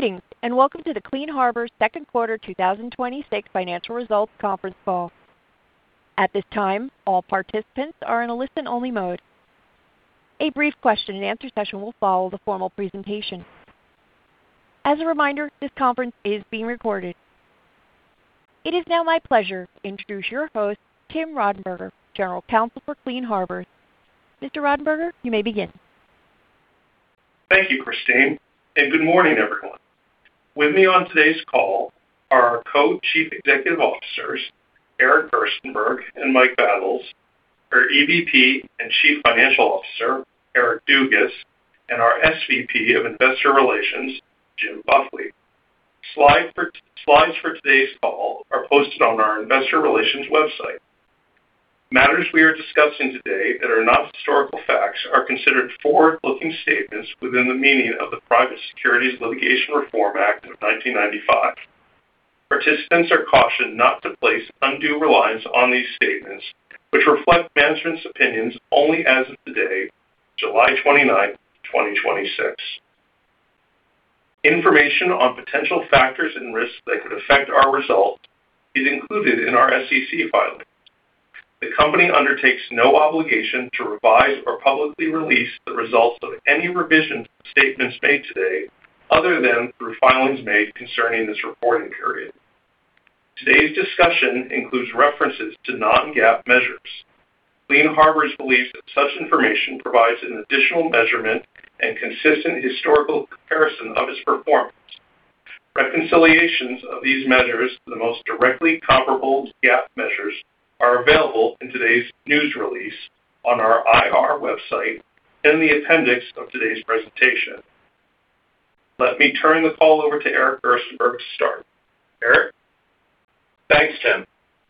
Greetings, welcome to the Clean Harbors second quarter 2026 financial results conference call. At this time, all participants are in a listen-only mode. A brief question-and-answer session will follow the formal presentation. As a reminder, this conference is being recorded. It is now my pleasure to introduce your host, Tim Rodenberger, General Counsel for Clean Harbors. Mr. Rodenberger, you may begin. Thank you, Christine, good morning, everyone. With me on today's call are our Co-Chief Executive Officers, Eric Gerstenberg and Mike Battles, our EVP and Chief Financial Officer, Eric Dugas, and our SVP of Investor Relations, Jim Buckley. Slides for today's call are posted on our investor relations website. Matters we are discussing today that are not historical facts are considered forward-looking statements within the meaning of the Private Securities Litigation Reform Act of 1995. Participants are cautioned not to place undue reliance on these statements, which reflect management's opinions only as of today, July 29, 2026. Information on potential factors and risks that could affect our results is included in our SEC filings. The company undertakes no obligation to revise or publicly release the results of any revision to the statements made today other than through filings made concerning this reporting period. Today's discussion includes references to non-GAAP measures. Clean Harbors believes that such information provides an additional measurement and consistent historical comparison of its performance. Reconciliations of these measures to the most directly comparable GAAP measures are available in today's news release, on our IR website, and the appendix of today's presentation. Let me turn the call over to Eric Gerstenberg to start. Eric? Thanks, Tim.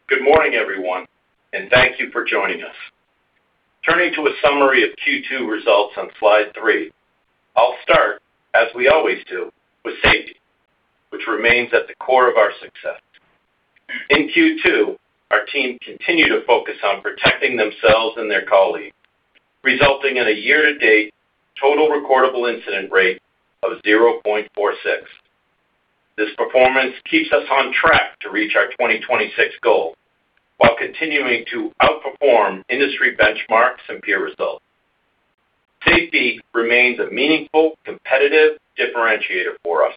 Good morning, everyone, thank you for joining us. Turning to a summary of Q2 results on slide three. I'll start, as we always do, with safety, which remains at the core of our success. In Q2, our team continued to focus on protecting themselves and their colleagues, resulting in a year-to-date total recordable incident rate of 0.46. This performance keeps us on track to reach our 2026 goal while continuing to outperform industry benchmarks and peer results. Safety remains a meaningful competitive differentiator for us.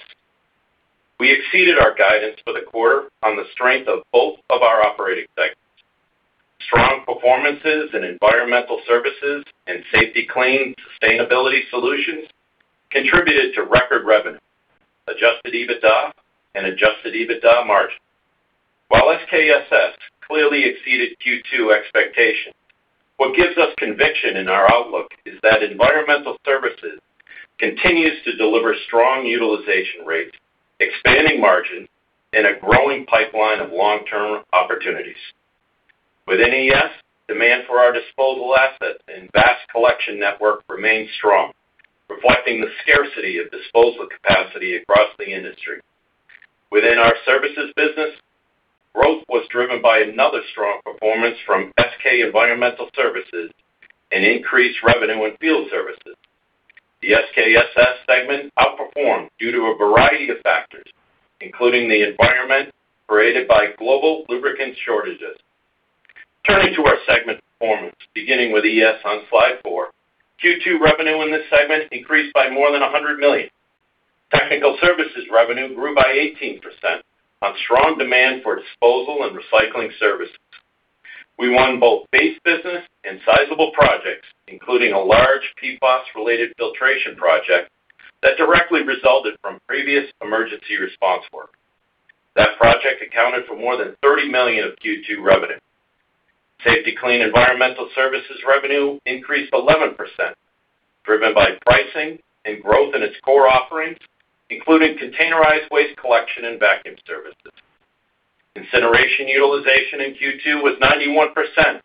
We exceeded our guidance for the quarter on the strength of both of our operating segments. Strong performances in Environmental Services and Safety-Kleen Sustainability Solutions contributed to record revenue, adjusted EBITDA, and adjusted EBITDA margin. While SKSS clearly exceeded Q2 expectations, what gives us conviction in our outlook is that Environmental Services continues to deliver strong utilization rates, expanding margins, and a growing pipeline of long-term opportunities. With ES, demand for our disposal assets and vast collection network remain strong, reflecting the scarcity of disposal capacity across the industry. Within our services business, growth was driven by another strong performance from Safety-Kleen Environmental Services and increased revenue in field services. The SKSS segment outperformed due to a variety of factors, including the environment created by global lubricant shortages. Turning to our segment performance, beginning with ES on slide four. Q2 revenue in this segment increased by more than $100 million. Technical services revenue grew by 18% on strong demand for disposal and recycling services. We won both base business and sizable projects, including a large PFAS-related filtration project that directly resulted from previous emergency response work. That project accounted for more than $30 million of Q2 revenue. Safety-Kleen Environmental Services revenue increased 11%, driven by pricing and growth in its core offerings, including containerized waste collection and vacuum services. Incineration utilization in Q2 was 91%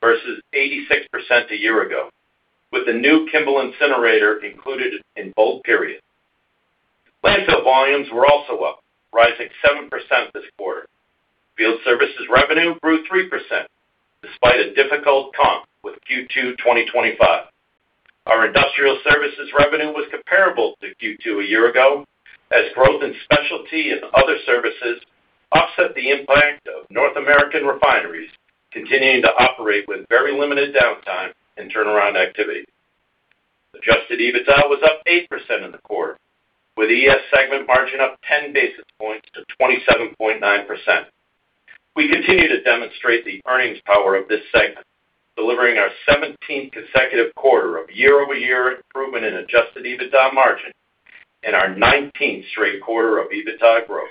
versus 86% a year ago, with the new Kimball incinerator included in both periods. Landfill volumes were also up, rising 7% this quarter. Field services revenue grew 3%, despite a difficult comp with Q2 2025. Our industrial services revenue was comparable to Q2 a year ago, as growth in specialty and other services offset the impact of North American refineries continuing to operate with very limited downtime and turnaround activity. Adjusted EBITDA was up 8% in the quarter, with ES segment margin up 10 basis points to 27.9%. We continue to demonstrate the earnings power of this segment, delivering our 17th consecutive quarter of year-over-year improvement in adjusted EBITDA margin and our 19th straight quarter of EBITDA growth.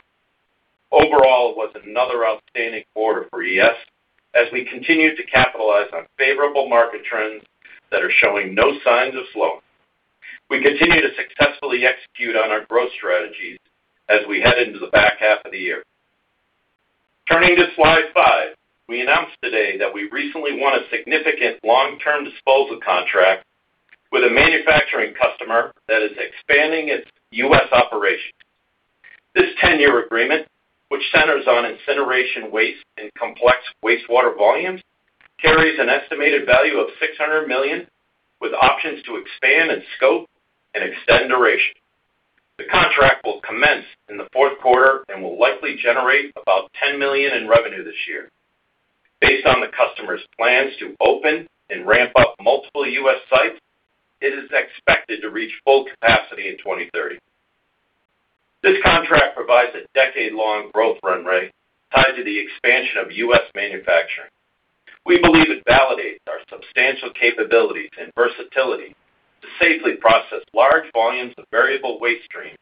Overall, it was another outstanding quarter for ES as we continue to capitalize on favorable market trends that are showing no signs of slowing. We continue to successfully execute on our growth strategies as we head into the back half of the year. Turning to slide five. We announced today that we recently won a significant long-term disposal contract with a manufacturing customer that is expanding its U.S. operations. The 10-year agreement, which centers on incineration waste and complex wastewater volumes, carries an estimated value of $600 million with options to expand in scope and extend duration. The contract will commence in the fourth quarter and will likely generate about $10 million in revenue this year. Based on the customer's plans to open and ramp up multiple U.S. sites, it is expected to reach full capacity in 2030. This contract provides a decade-long growth run rate tied to the expansion of U.S. manufacturing. We believe it validates our substantial capabilities and versatility to safely process large volumes of variable waste streams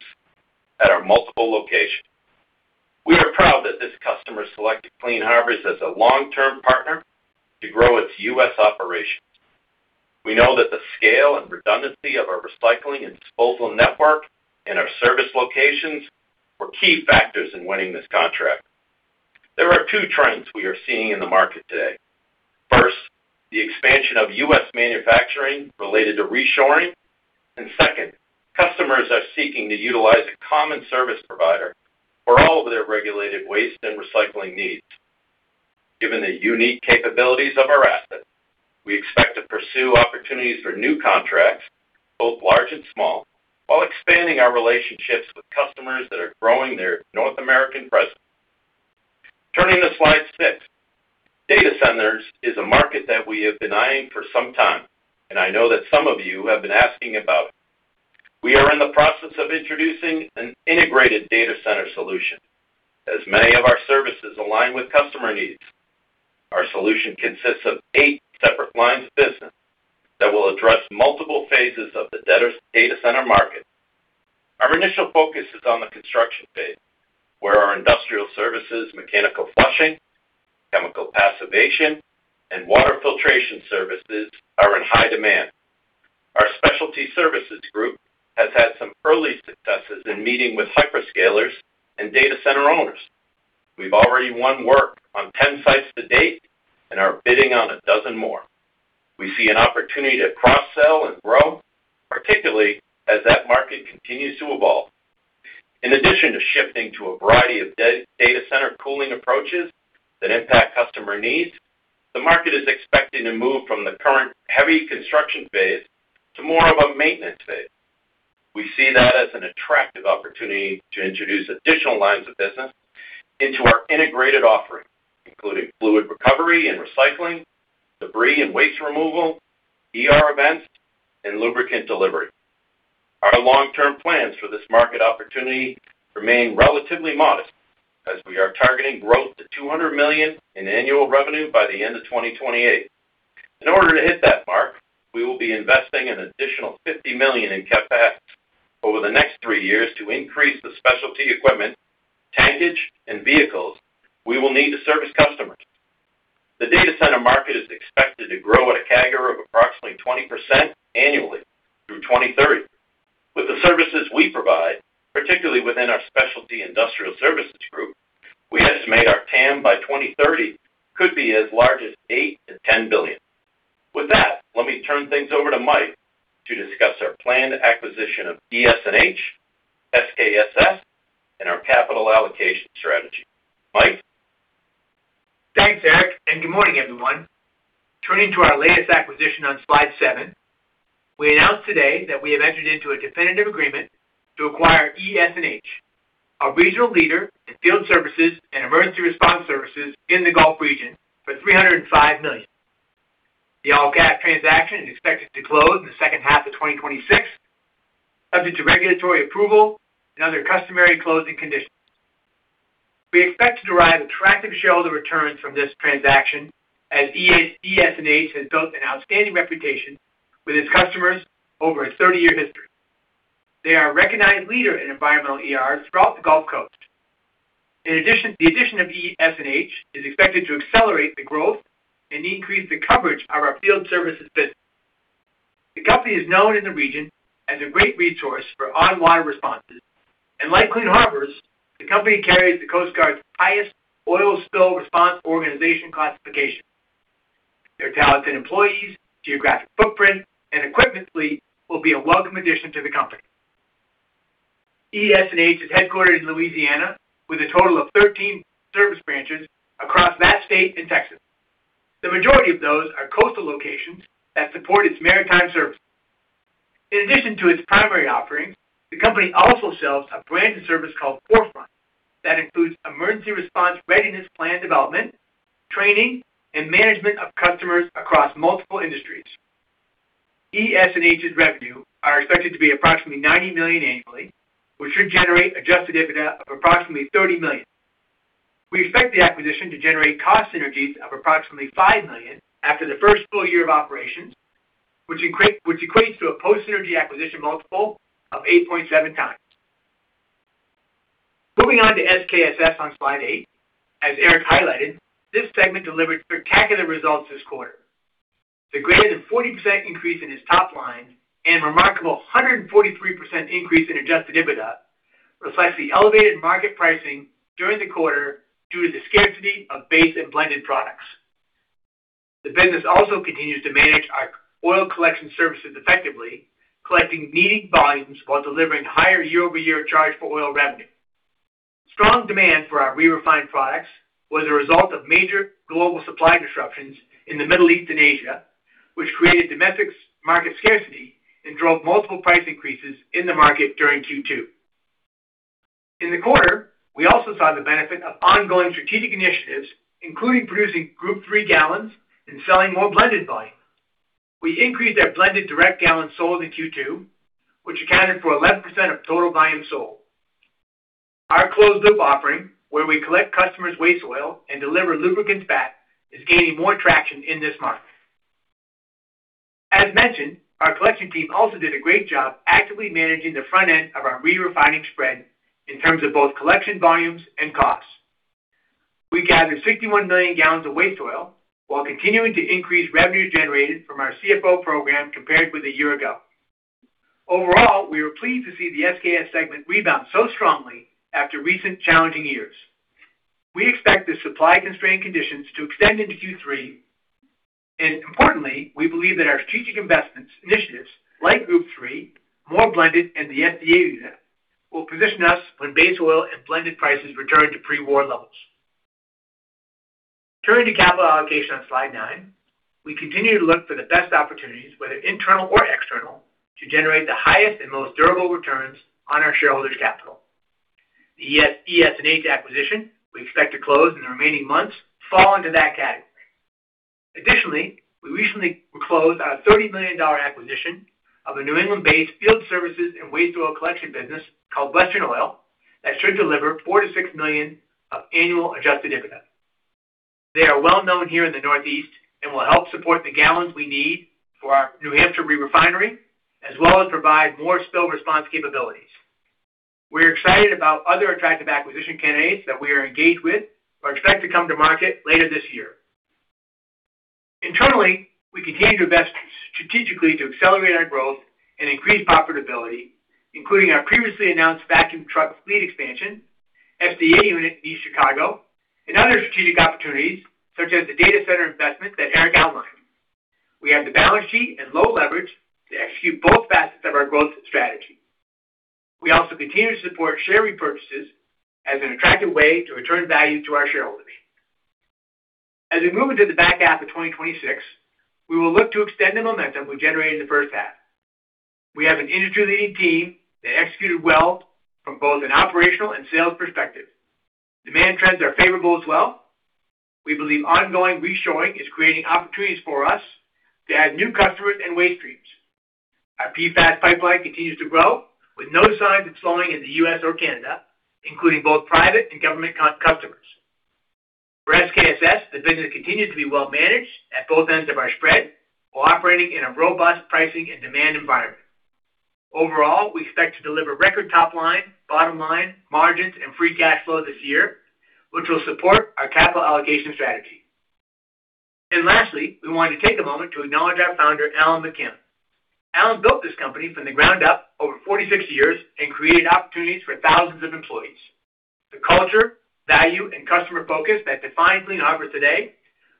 at our multiple locations. We are proud that this customer selected Clean Harbors as a long-term partner to grow its U.S. operations. We know that the scale and redundancy of our recycling and disposal network and our service locations were key factors in winning this contract. There are two trends we are seeing in the market today. First, the expansion of U.S. manufacturing related to reshoring. Second, customers are seeking to utilize a common service provider for all of their regulated waste and recycling needs. Given the unique capabilities of our assets, we expect to pursue opportunities for new contracts, both large and small, while expanding our relationships with customers that are growing their North American presence. Turning to slide six. Data centers is a market that we have been eyeing for some time, and I know that some of you have been asking about it. We are in the process of introducing an integrated data center solution as many of our services align with customer needs. Our solution consists of eight separate lines of business that will address multiple phases of the data center market. Our initial focus is on the construction phase, where our Industrial Services, mechanical flushing, chemical passivation, and water filtration services are in high demand. Our Specialty Services Group has had some early successes in meeting with hyperscalers and data center owners. We've already won work on 10 sites to date and are bidding on a dozen more. We see an opportunity to cross-sell and grow, particularly as that market continues to evolve. In addition to shifting to a variety of data center cooling approaches that impact customer needs, the market is expecting to move from the current heavy construction phase to more of a maintenance phase. We see that as an attractive opportunity to introduce additional lines of business into our integrated offering, including fluid recovery and recycling, debris and waste removal, ER events, and lubricant delivery. Our long-term plans for this market opportunity remain relatively modest as we are targeting growth to $200 million in annual revenue by the end of 2028. In order to hit that mark, we will be investing an additional $50 million in CapEx over the next three years to increase the specialty equipment, tankage, and vehicles we will need to service customers. The data center market is expected to grow at a CAGR of approximately 20% annually through 2030. With the services we provide, particularly within our Specialty Industrial Services Group, we estimate our TAM by 2030 could be as large as $8 billion-$10 billion. With that, let me turn things over to Mike to discuss our planned acquisition of ES&H, SKSS, and our capital allocation strategy. Mike? Thanks, Eric, and good morning, everyone. Turning to our latest acquisition on slide seven. We announced today that we have entered into a definitive agreement to acquire ES&H, a regional leader in field services and emergency response services in the Gulf region, for $305 million. The all-cash transaction is expected to close in the second half of 2026, subject to regulatory approval and other customary closing conditions. We expect to derive attractive shareholder returns from this transaction, as ES&H has built an outstanding reputation with its customers over a 30-year history. They are a recognized leader in environmental ER throughout the Gulf Coast. The addition of ES&H is expected to accelerate the growth and increase the coverage of our field services business. The company is known in the region as a great resource for on-water responses, and like Clean Harbors, the company carries the U.S. Coast Guard's highest Oil Spill Removal Organization classification. Their talented employees, geographic footprint, and equipment fleet will be a welcome addition to the company. ES&H is headquartered in Louisiana with a total of 13 service branches across that state and Texas. The majority of those are coastal locations that support its maritime services. In addition to its primary offerings, the company also sells a branded service called Forefront that includes emergency response readiness plan development, training, and management of customers across multiple industries. ES&H's revenue are expected to be approximately $90 million annually, which should generate adjusted EBITDA of approximately $30 million. We expect the acquisition to generate cost synergies of approximately $5 million after the first full-year of operations, which equates to a post-synergy acquisition multiple of 8.7x. Moving on to SKSS on slide eight. As Eric highlighted, this segment delivered spectacular results this quarter. The greater than 40% increase in its top line and remarkable 143% increase in adjusted EBITDA reflects the elevated market pricing during the quarter due to the scarcity of base and blended products. The business also continues to manage our oil collection services effectively, collecting needed volumes while delivering higher year-over-year charge for oil revenue. Strong demand for our re-refined products was a result of major global supply disruptions in the Middle East and Asia, which created domestic market scarcity and drove multiple price increases in the market during Q2. In the quarter, we also saw the benefit of ongoing strategic initiatives, including producing Group III gallons and selling more blended volume. We increased our blended direct gallons sold in Q2, which accounted for 11% of total volume sold. Our closed loop offering, where we collect customers' waste oil and deliver lubricants back, is gaining more traction in this market. As mentioned, our collection team also did a great job actively managing the front end of our re-refining spread in terms of both collection volumes and costs. We gathered 61 million gallons of waste oil while continuing to increase revenues generated from our CFO program compared with a year ago. Overall, we were pleased to see the SKSS segment rebound so strongly after recent challenging years. We expect the supply constraint conditions to extend into Q3. Importantly, we believe that our strategic investments initiatives, like Group III, more blended, and the SDA unit, will position us when base oil and blended prices return to pre-war levels. Turning to capital allocation on slide nine. We continue to look for the best opportunities, whether internal or external, to generate the highest and most durable returns on our shareholders' capital. The ES&H acquisition we expect to close in the remaining months fall into that category. Additionally, we recently closed on a $30 million acquisition of a New England-based field services and waste oil collection business called Western Oil that should deliver $4 million-$6 million of annual adjusted EBITDA. They are well-known here in the Northeast and will help support the gallons we need for our New Hampshire re-refinery, as well as provide more spill response capabilities. We're excited about other attractive acquisition candidates that we are engaged with or expect to come to market later this year. Internally, we continue to invest strategically to accelerate our growth and increase profitability, including our previously announced vacuum truck fleet expansion, SDA unit in East Chicago, and other strategic opportunities, such as the data center investment that Eric outlined. We have the balance sheet and low leverage to execute both facets of our growth strategy. We also continue to support share repurchases as an attractive way to return value to our shareholders. As we move into the back half of 2026, we will look to extend the momentum we generated in the first half. We have an industry-leading team that executed well from both an operational and sales perspective. Demand trends are favorable as well. We believe ongoing reshoring is creating opportunities for us to add new customers and waste streams. Our PFAS pipeline continues to grow with no signs of slowing in the U.S. or Canada, including both private and government customers. For SKSS, the business continues to be well-managed at both ends of our spread while operating in a robust pricing and demand environment. Overall, we expect to deliver record top line, bottom line margins, and free cash flow this year, which will support our capital allocation strategy. Lastly, we wanted to take a moment to acknowledge our founder, Alan McKim. Alan built this company from the ground up over 46 years and created opportunities for thousands of employees. The culture, value, and customer focus that defines Clean Harbors today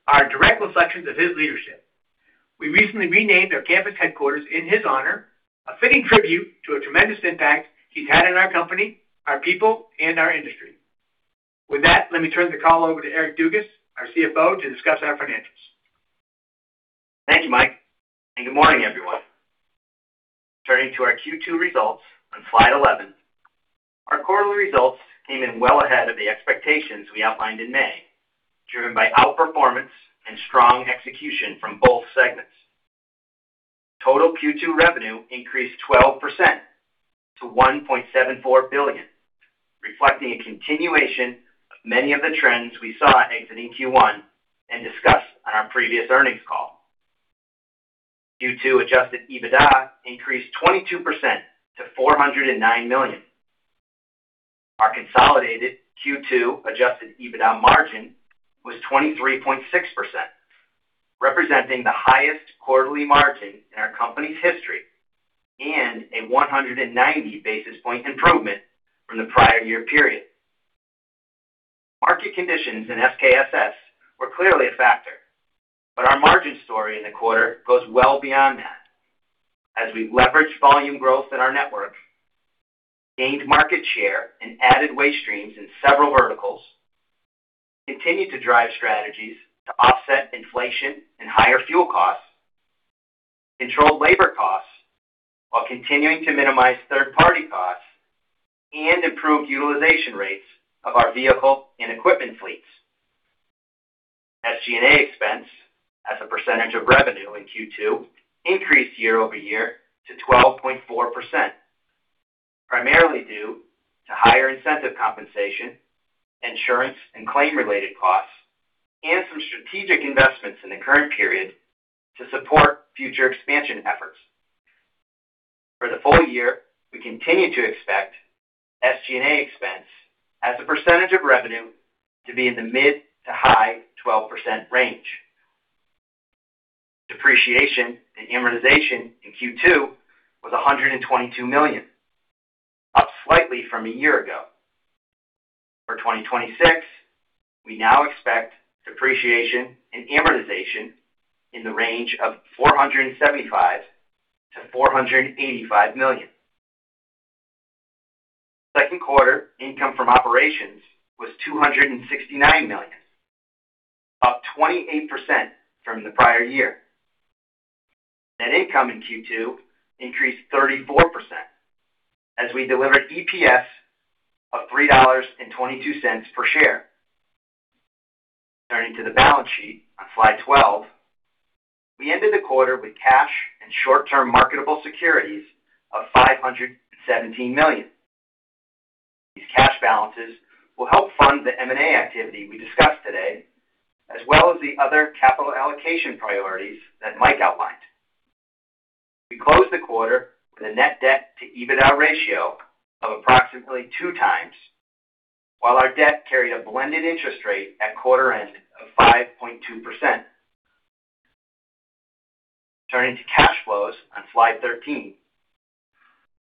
are direct reflections of his leadership. We recently renamed our campus headquarters in his honor, a fitting tribute to a tremendous impact he's had on our company, our people, and our industry. With that, let me turn the call over to Eric Dugas, our CFO, to discuss our financials. Thank you, Mike, good morning, everyone. Turning to our Q2 results on slide 11. Our quarterly results came in well ahead of the expectations we outlined in May, driven by outperformance and strong execution from both segments. Total Q2 revenue increased 12% to $1.74 billion, reflecting a continuation of many of the trends we saw exiting Q1 and discussed on our previous earnings call. Q2 adjusted EBITDA increased 22% to $409 million. Our consolidated Q2 adjusted EBITDA margin was 23.6%, representing the highest quarterly margin in our company's history and a 190 basis point improvement from the prior year period. Market conditions in SKSS were clearly a factor, our margin story in the quarter goes well beyond that. As we leveraged volume growth in our network, gained market share, and added waste streams in several verticals, continued to drive strategies to offset inflation and higher fuel costs, controlled labor costs while continuing to minimize third-party costs, and improved utilization rates of our vehicle and equipment fleets. SG&A expense as a percentage of revenue in Q2 increased year-over-year to 12.4%, primarily due to higher incentive compensation, insurance, and claim-related costs, and some strategic investments in the current period to support future expansion efforts. For the full-year, we continue to expect SG&A expense as a percentage of revenue to be in the mid to high 12% range. Depreciation and amortization in Q2 was $122 million, up slightly from a year ago. For 2026, we now expect depreciation and amortization in the range of $475 million-$485 million. Second quarter income from operations was $269 million, up 28% from the prior year. Net income in Q2 increased 34% as we delivered EPS of $3.22 per share. Turning to the balance sheet on slide 12, we ended the quarter with cash and short-term marketable securities of $517 million. These cash balances will help fund the M&A activity we discussed today, as well as the other capital allocation priorities that Mike outlined. We closed the quarter with a net debt to EBITDA ratio of approximately 2x, while our debt carried a blended interest rate at quarter end of 5.2%. Turning to cash flows on slide 13.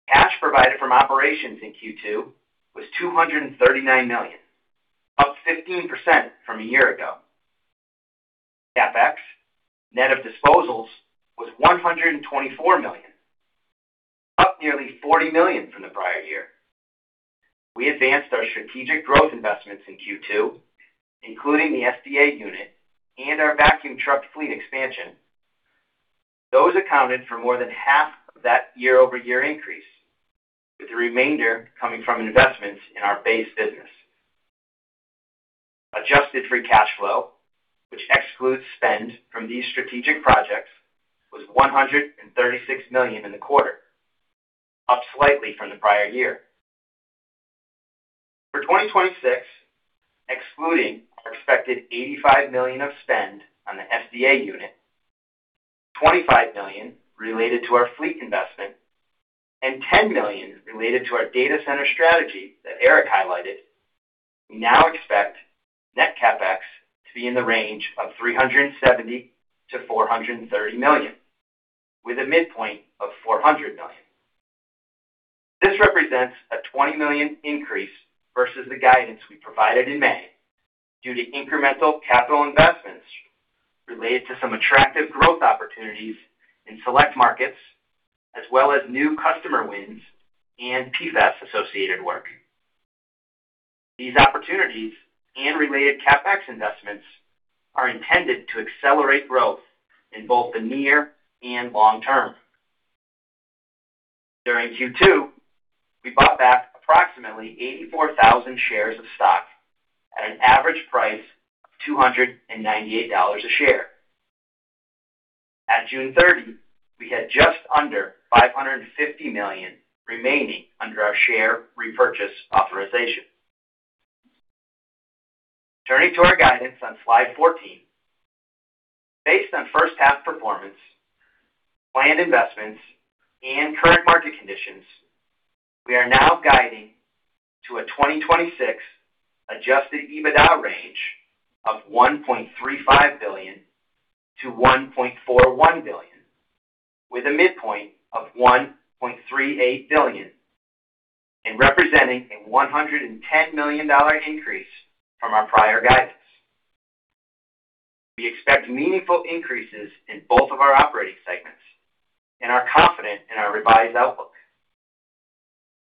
Cash provided from operations in Q2 was $239 million, up 15% from a year ago. CapEx, net of disposals, was $124 million, up nearly $40 million from the prior year. We advanced our strategic growth investments in Q2, including the SDA unit and our vacuum truck fleet expansion. Those accounted for more than half of that year-over-year increase, with the remainder coming from investments in our base business. Adjusted free cash flow, which excludes spend from these strategic projects, was $136 million in the quarter, up slightly from the prior year. For 2026, excluding our expected $85 million of spend on the SDA unit, $25 million related to our fleet investment, and $10 million related to our data center strategy that Eric highlighted, we now expect net CapEx to be in the range of $370 million-$430 million, with a midpoint of $400 million. This represents a $20 million increase versus the guidance we provided in May due to incremental capital investments related to some attractive growth opportunities in select markets, as well as new customer wins and PFAS-associated work. These opportunities and related CapEx investments are intended to accelerate growth in both the near and long term. During Q2, we bought back approximately 84,000 shares of stock at an average price of $298 a share. At June 30, we had just under $550 million remaining under our share repurchase authorization. Turning to our guidance on slide 14. Based on first half performance, planned investments, and current market conditions, we are now guiding to a 2026 adjusted EBITDA range of $1.35 billion-$1.41 billion, with a midpoint of $1.38 billion, and representing a $110 million increase from our prior guidance. We expect meaningful increases in both of our operating segments and are confident in our revised outlook.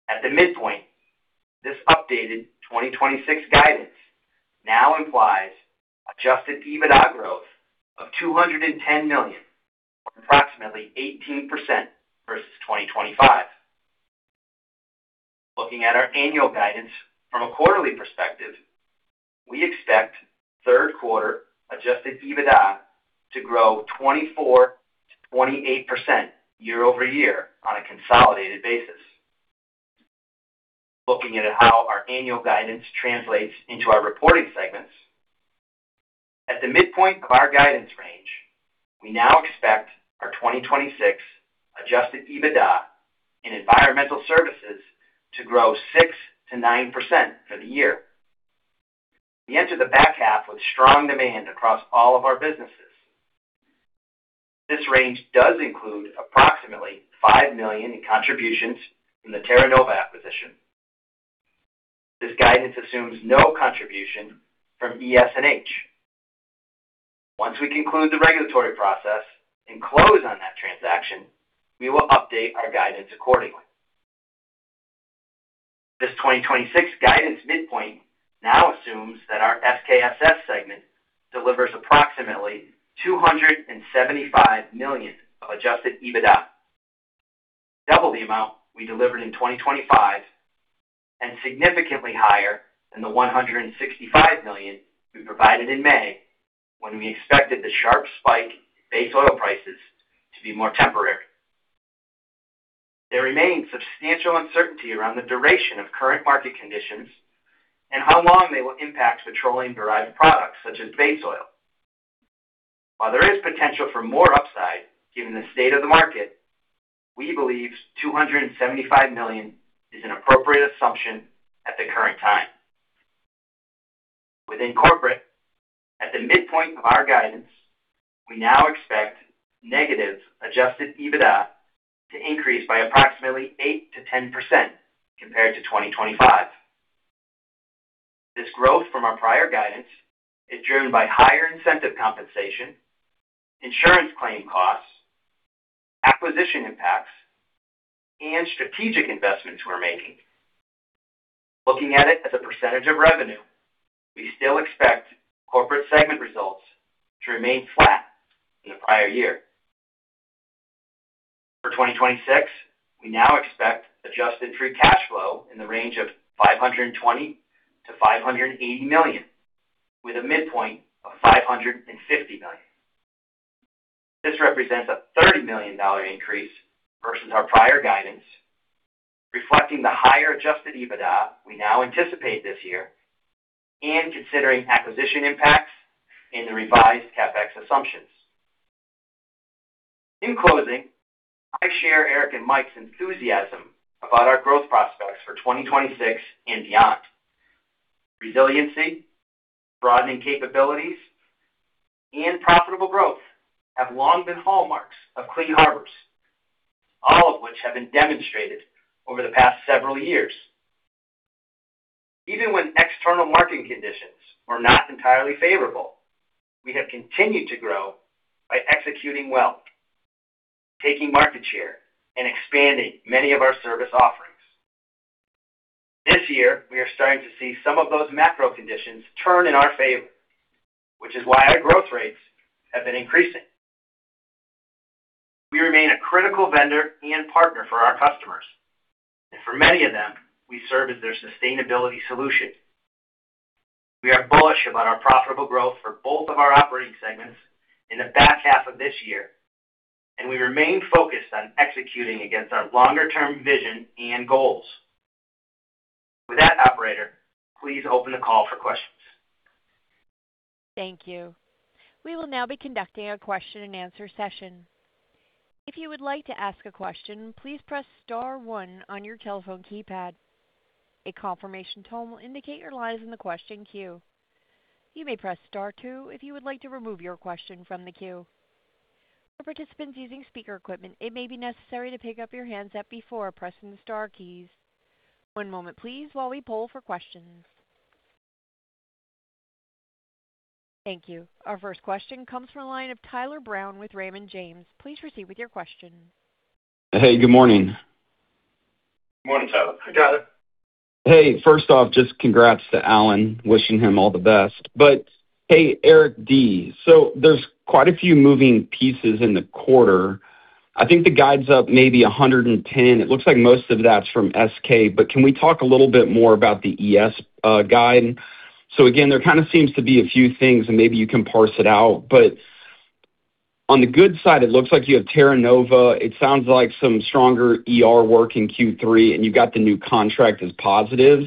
At the midpoint, this updated 2026 guidance now implies adjusted EBITDA growth of $210 million, or approximately 18%, versus 2025. Looking at our annual guidance from a quarterly perspective, we expect third quarter adjusted EBITDA to grow 24%-28% year-over-year on a consolidated basis. Looking at how our annual guidance translates into our reporting segments. At the midpoint of our guidance range, we now expect our 2026 adjusted EBITDA in Environmental Services to grow 6%-9% for the year. We enter the back half with strong demand across all of our businesses. This range does include approximately $5 million in contributions from the Terra Nova acquisition. This guidance assumes no contribution from ES&H. Once we conclude the regulatory process and close on that transaction, we will update our guidance accordingly. This 2026 guidance midpoint now assumes that our SKSS segment delivers approximately $275 million of adjusted EBITDA, double the amount we delivered in 2025 and significantly higher than the $165 million we provided in May when we expected the sharp spike in base oil prices to be more temporary. There remains substantial uncertainty around the duration of current market conditions and how long they will impact petroleum-derived products such as base oil. While there is potential for more upside given the state of the market, we believe $275 million is an appropriate assumption at the current time. Within corporate, at the midpoint of our guidance, we now expect negative adjusted EBITDA to increase by approximately 8%-10% compared to 2025. This growth from our prior guidance is driven by higher incentive compensation, insurance claim costs, acquisition impacts, and strategic investments we're making. Looking at it as a percentage of revenue, we still expect corporate segment results to remain flat in the prior year. For 2026, we now expect adjusted free cash flow in the range of $520 million-$580 million, with a midpoint of $550 million. This represents a $30 million increase versus our prior guidance, reflecting the higher adjusted EBITDA we now anticipate this year and considering acquisition impacts in the revised CapEx assumptions. In closing, I share Eric and Mike's enthusiasm about our growth prospects for 2026 and beyond. Resiliency, broadening capabilities, and profitable growth have long been hallmarks of Clean Harbors, all of which have been demonstrated over the past several years. Even when external market conditions were not entirely favorable, we have continued to grow by executing well, taking market share, and expanding many of our service offerings. This year, we are starting to see some of those macro conditions turn in our favor, which is why our growth rates have been increasing. We remain a critical vendor and partner for our customers, and for many of them, we serve as their sustainability solution. We are bullish about our profitable growth for both of our operating segments in the back half of this year. We remain focused on executing against our longer-term vision and goals. With that, operator, please open the call for questions. Thank you. We will now be conducting a question and answer session. If you would like to ask a question, please press star one on your telephone keypad. A confirmation tone will indicate your line is in the question queue. You may press star two if you would like to remove your question from the queue. For participants using speaker equipment, it may be necessary to pick up your handset before pressing the star keys. One moment, please, while we poll for questions. Thank you. Our first question comes from the line of Tyler Brown with Raymond James. Please proceed with your question. Hey, good morning. Morning, Tyler. Hi, Tyler. First off, just congrats to Alan. Wishing him all the best. Eric D., there's quite a few moving pieces in the quarter. I think the guide's up maybe $110 million. It looks like most of that's from SK, can we talk a little bit more about the ES guide? Again, there kind of seems to be a few things, and maybe you can parse it out, on the good side, it looks like you have Terra Nova. It sounds like some stronger ER work in Q3, and you got the new contract as positive,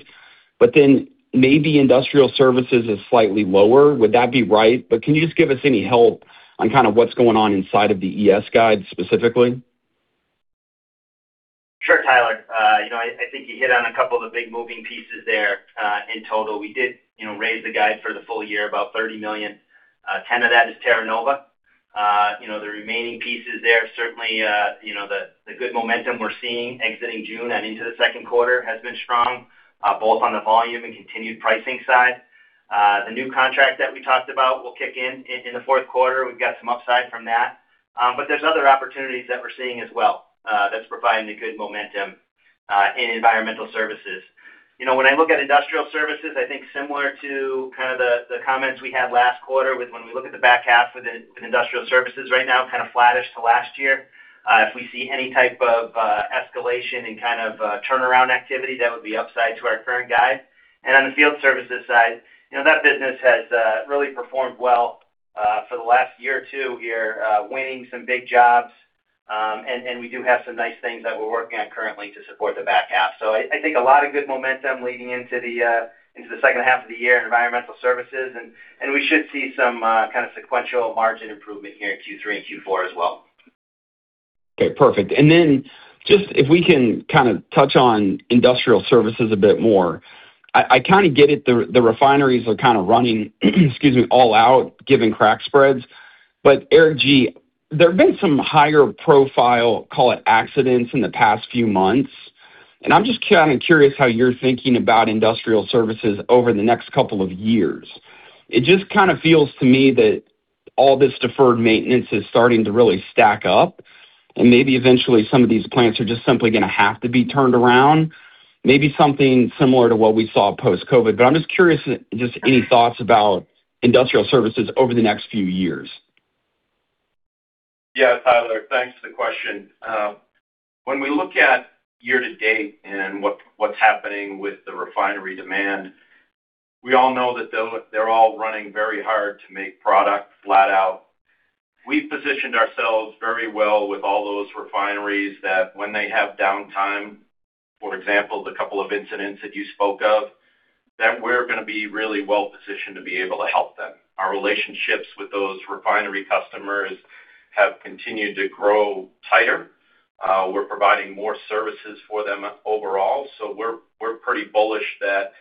maybe Industrial Services is slightly lower. Would that be right? Can you just give us any help on kind of what's going on inside of the ES guide specifically? Sure, Tyler. I think you hit on a couple of the big moving pieces there. In total, we did raise the guide for the full-year about $30 million. $10 million of that is Terra Nova. The remaining pieces there, certainly the good momentum we're seeing exiting June and into the second quarter has been strong, both on the volume and continued pricing side. The new contract that we talked about will kick in in the fourth quarter. We've got some upside from that. There's other opportunities that we're seeing as well that's providing a good momentum in Environmental Services. When I look at Industrial Services, I think similar to the comments we had last quarter when we look at the back half with Industrial Services right now, kind of flattish to last year. If we see any type of escalation in kind of turnaround activity, that would be upside to our current guide. On the field services side, that business has really performed well for the last year or two here, winning some big jobs. We do have some nice things that we're working on currently to support the back half. I think a lot of good momentum leading into the second half of the year in Environmental Services, and we should see some kind of sequential margin improvement here in Q3 and Q4 as well. Okay, perfect. Just if we can kind of touch on Industrial Services a bit more. I kind of get it. The refineries are kind of running, excuse me, all out, given crack spreads. Eric G., there have been some higher profile, call it accidents, in the past few months, and I'm just kind of curious how you're thinking about Industrial Services over the next couple of years. It just kind of feels to me that all this deferred maintenance is starting to really stack up, and maybe eventually some of these plants are just simply going to have to be turned around. Maybe something similar to what we saw post-COVID. I'm just curious, just any thoughts about Industrial Services over the next few years? Yeah. Tyler, thanks for the question. When we look at year to date and what's happening with the refinery demand, we all know that they're all running very hard to make product flat out. We've positioned ourselves very well with all those refineries that when they have downtime, for example, the couple of incidents that you spoke of, that we're going to be really well positioned to be able to help them. Our relationships with those refinery customers have continued to grow tighter We're providing more services for them overall. We're pretty bullish that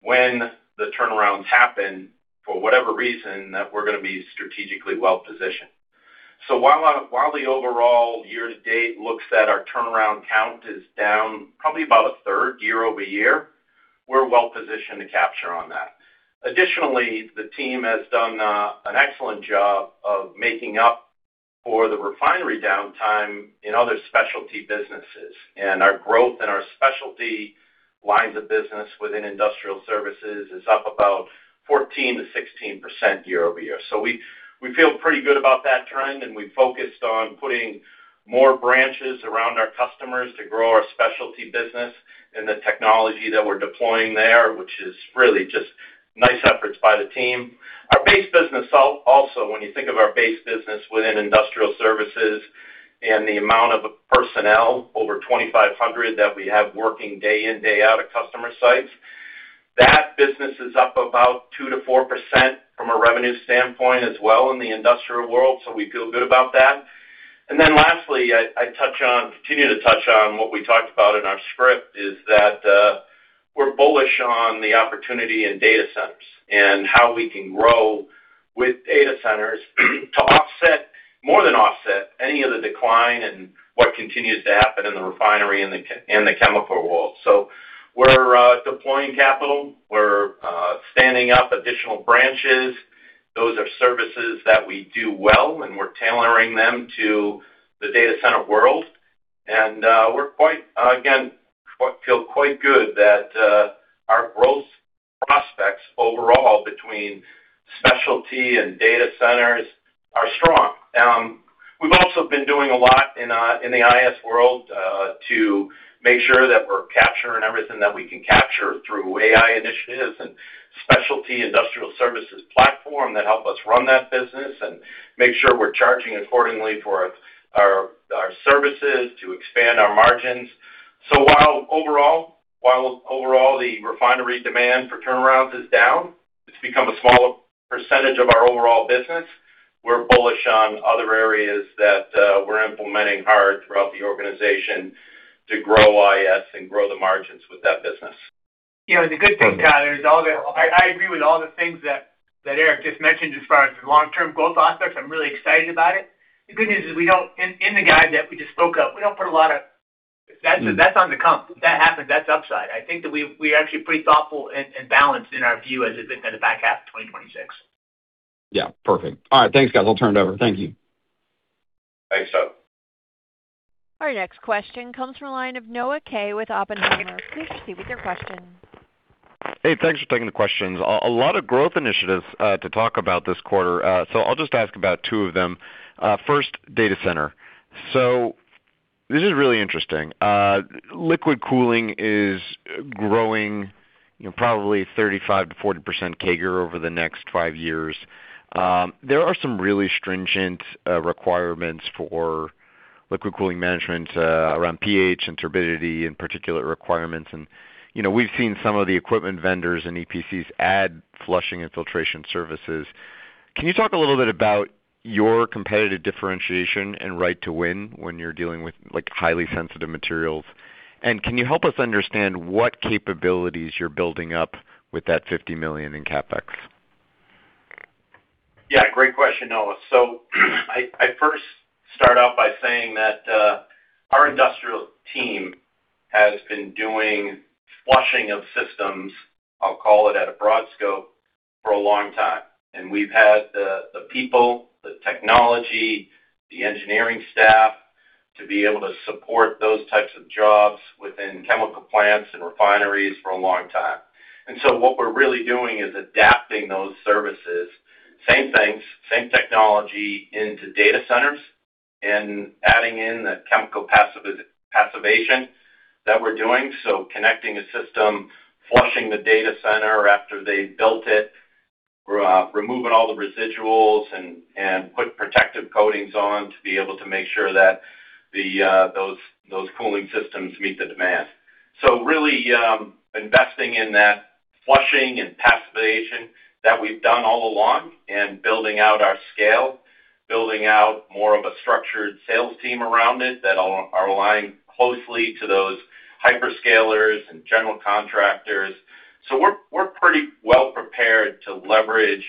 when the turnarounds happen, for whatever reason, that we're going to be strategically well-positioned. While the overall year to date looks that our turnaround count is down probably about a third year-over-year, we're well-positioned to capture on that. Additionally, the team has done an excellent job of making up for the refinery downtime in other specialty businesses, and our growth in our specialty lines of business within Industrial Services is up about 14%-16% year-over-year. We feel pretty good about that trend, and we focused on putting more branches around our customers to grow our specialty business and the technology that we're deploying there, which is really just nice efforts by the team. Our base business also, when you think of our base business within Industrial Services and the amount of personnel, over 2,500, that we have working day in, day out at customer sites, that business is up about 2%-4% from a revenue standpoint as well in the industrial world. We feel good about that. Lastly, I continue to touch on what we talked about in our script, is that we're bullish on the opportunity in data centers and how we can grow with data centers to more than offset any of the decline in what continues to happen in the refinery and the chemical world. We're deploying capital. We're standing up additional branches. Those are services that we do well, and we're tailoring them to the data center world. We feel quite good that our growth prospects overall between specialty and data centers are strong. We've also been doing a lot in the IS world to make sure that we're capturing everything that we can capture through AI initiatives and specialty Industrial Services platform that help us run that business and make sure we're charging accordingly for our services to expand our margins. While overall, the refinery demand for turnarounds is down, it's become a smaller percentage of our overall business, we're bullish on other areas that we're implementing hard throughout the organization to grow IS and grow the margins with that business. The good thing, Tyler, is I agree with all the things that Eric just mentioned as far as the long-term growth process. I'm really excited about it. The good news is in the guide that we just spoke of, that's on the come. If that happens, that's upside. I think that we're actually pretty thoughtful and balanced in our view as it's been kind of back half of 2026. Yeah, perfect. All right, thanks, guys. I'll turn it over. Thank you. Thanks, Tyler. Our next question comes from the line of Noah Kaye with Oppenheimer. Please proceed with your question. Thanks for taking the questions. A lot of growth initiatives to talk about this quarter. I'll just ask about two of them. First, data center. This is really interesting. Liquid cooling is growing probably 35%-40% CAGR over the next five years. There are some really stringent requirements for liquid cooling management around pH and turbidity and particular requirements, and we've seen some of the equipment vendors and EPCs add flushing and filtration services. Can you talk a little bit about your competitive differentiation and right to win when you're dealing with highly sensitive materials? Can you help us understand what capabilities you're building up with that $50 million in CapEx? Great question, Noah. I first start out by saying that our industrial team has been doing flushing of systems, I'll call it at a broad scope, for a long time. We've had the people, the technology, the engineering staff to be able to support those types of jobs within chemical plants and refineries for a long time. What we're really doing is adapting those services, same things, same technology into data centers and adding in the chemical passivation that we're doing. Connecting a system, flushing the data center after they've built it, removing all the residuals, and put protective coatings on to be able to make sure that those cooling systems meet the demand. Really investing in that flushing and passivation that we've done all along and building out our scale, building out more of a structured sales team around it that are aligned closely to those hyperscalers and general contractors. We're pretty well prepared to leverage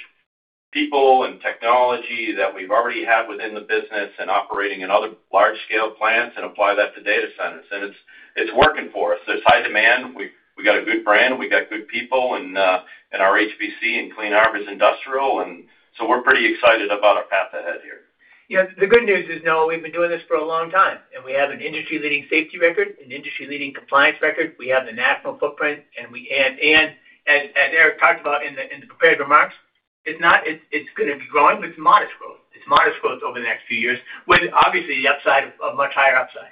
people and technology that we've already had within the business and operating in other large scale plants and apply that to data centers. It's working for us. There's high demand. We've got a good brand. We got good people in our HPC and Clean Harbors Industrial, and so we're pretty excited about our path ahead here. The good news is, Noah, we've been doing this for a long time, and we have an industry-leading safety record, an industry-leading compliance record. We have the national footprint, and as Eric talked about in the prepared remarks, it's going to be growing, but it's modest growth. It's modest growth over the next few years, with obviously a much higher upside.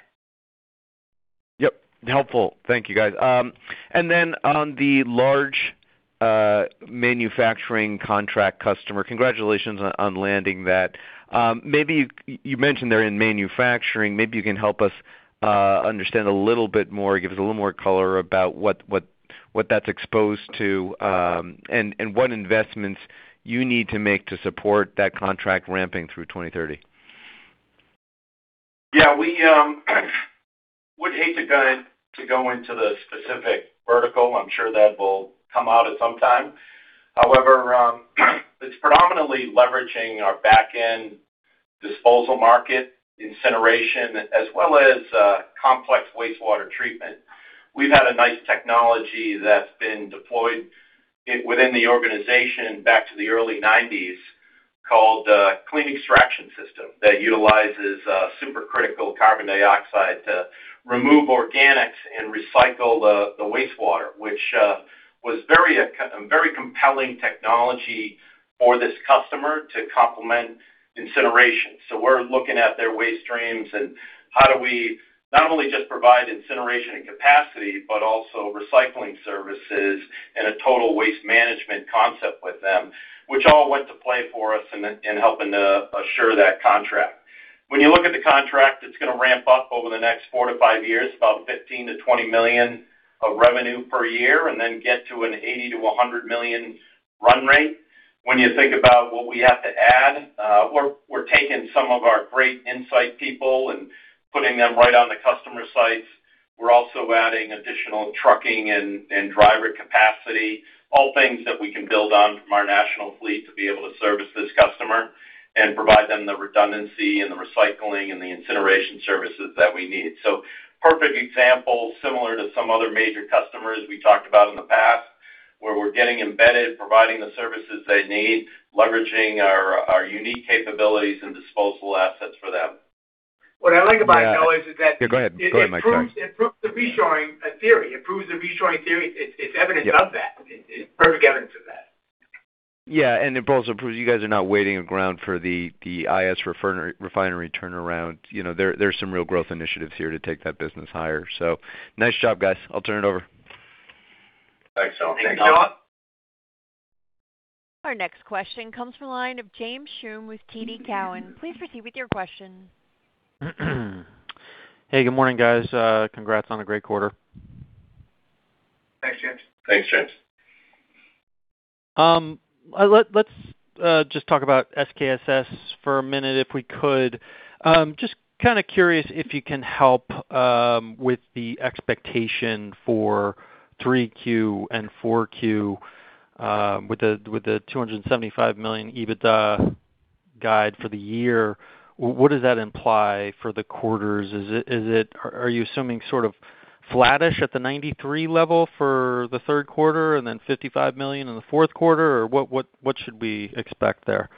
Yep. Helpful. Thank you, guys. On the large manufacturing contract customer, congratulations on landing that. You mentioned they're in manufacturing. Maybe you can help us understand a little bit more, give us a little more color about what that's exposed to and what investments you need to make to support that contract ramping through 2030. Yeah, we would hate to go into the specific vertical. I'm sure that will come out at some time. However, it's predominantly leveraging our back-end disposal market, incineration, as well as complex wastewater treatment. We've had a nice technology that's been deployed within the organization back to the early 1990s, called Clean Extraction System, that utilizes supercritical carbon dioxide to remove organics and recycle the wastewater, which was very compelling technology for this customer to complement incineration. We're looking at their waste streams and how do we not only just provide incineration and capacity, but also recycling services and a total waste management concept with them, which all went to play for us in helping to assure that contract. When you look at the contract, it's going to ramp up over the next four to five years, about $15 million-$20 million of revenue per year, and then get to an $80 million-$100 million run rate. When you think about what we have to add, we're taking some of our great insight people and putting them right on the customer sites. We're also adding additional trucking and driver capacity. All things that we can build on from our national fleet to be able to service this customer and provide them the redundancy and the recycling and the incineration services that we need. Perfect example, similar to some other major customers we talked about in the past, where we're getting embedded, providing the services they need, leveraging our unique capabilities and disposal assets for them. What I like about it, though, is that- Yeah. Go ahead, Mike. Sorry. It proves the reshoring theory. It's evidence of that. It's perfect evidence of that. Yeah, it also proves you guys are not waiting around for the IS refinery turnaround. There's some real growth initiatives here to take that business higher. Nice job, guys. I'll turn it over. Thanks, all. Thanks, all. Our next question comes from the line of James Schumm with TD Cowen. Please proceed with your question. Hey, good morning, guys. Congrats on a great quarter. Thanks, James. Thanks, James. Let's just talk about SKSS for a minute, if we could. Just kind of curious if you can help with the expectation for 3Q and 4Q, with the $275 million EBITDA guide for the year, what does that imply for the quarters? Are you assuming sort of flattish at the $93 million level for the third quarter and then $55 million in the fourth quarter? What should we expect there?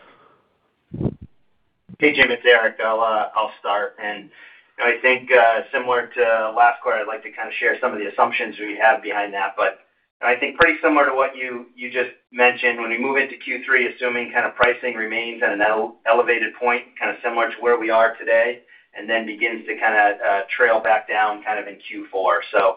Hey, James, it's Eric. I'll start. Similar to last quarter, I'd like to share some of the assumptions we have behind that. I think pretty similar to what you just mentioned, when we move into Q3, assuming pricing remains at an elevated point, kind of similar to where we are today, and then begins to trail back down in Q4.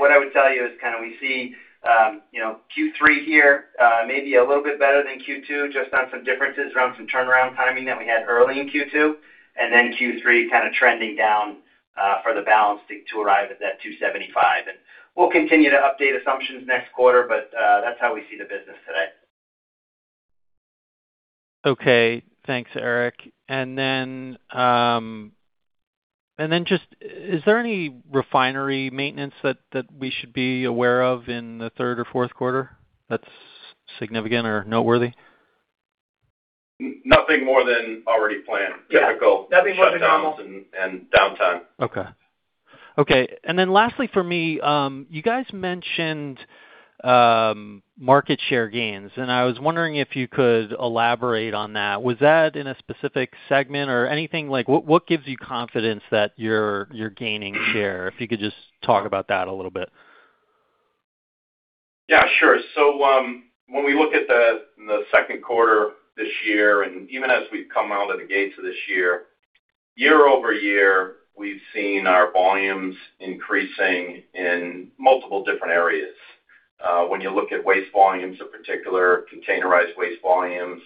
What I would tell you is we see Q3 here maybe a little bit better than Q2, just on some differences around some turnaround timing that we had early in Q2, and then Q3 kind of trending down for the balance to arrive at that $275 million. We'll continue to update assumptions next quarter, but that's how we see the business today. Okay. Thanks, Eric. Is there any refinery maintenance that we should be aware of in the third or fourth quarter that's significant or noteworthy? Nothing more than already planned. Yeah. Nothing more than normal. Typical shutdowns and downtime. Okay. Then lastly for me, you guys mentioned market share gains, and I was wondering if you could elaborate on that. Was that in a specific segment or anything? What gives you confidence that you're gaining share? If you could just talk about that a little bit. Yeah, sure. When we look at the second quarter this year, even as we've come out of the gates of this year-over-year, we've seen our volumes increasing in multiple different areas. When you look at waste volumes in particular, containerized waste volumes,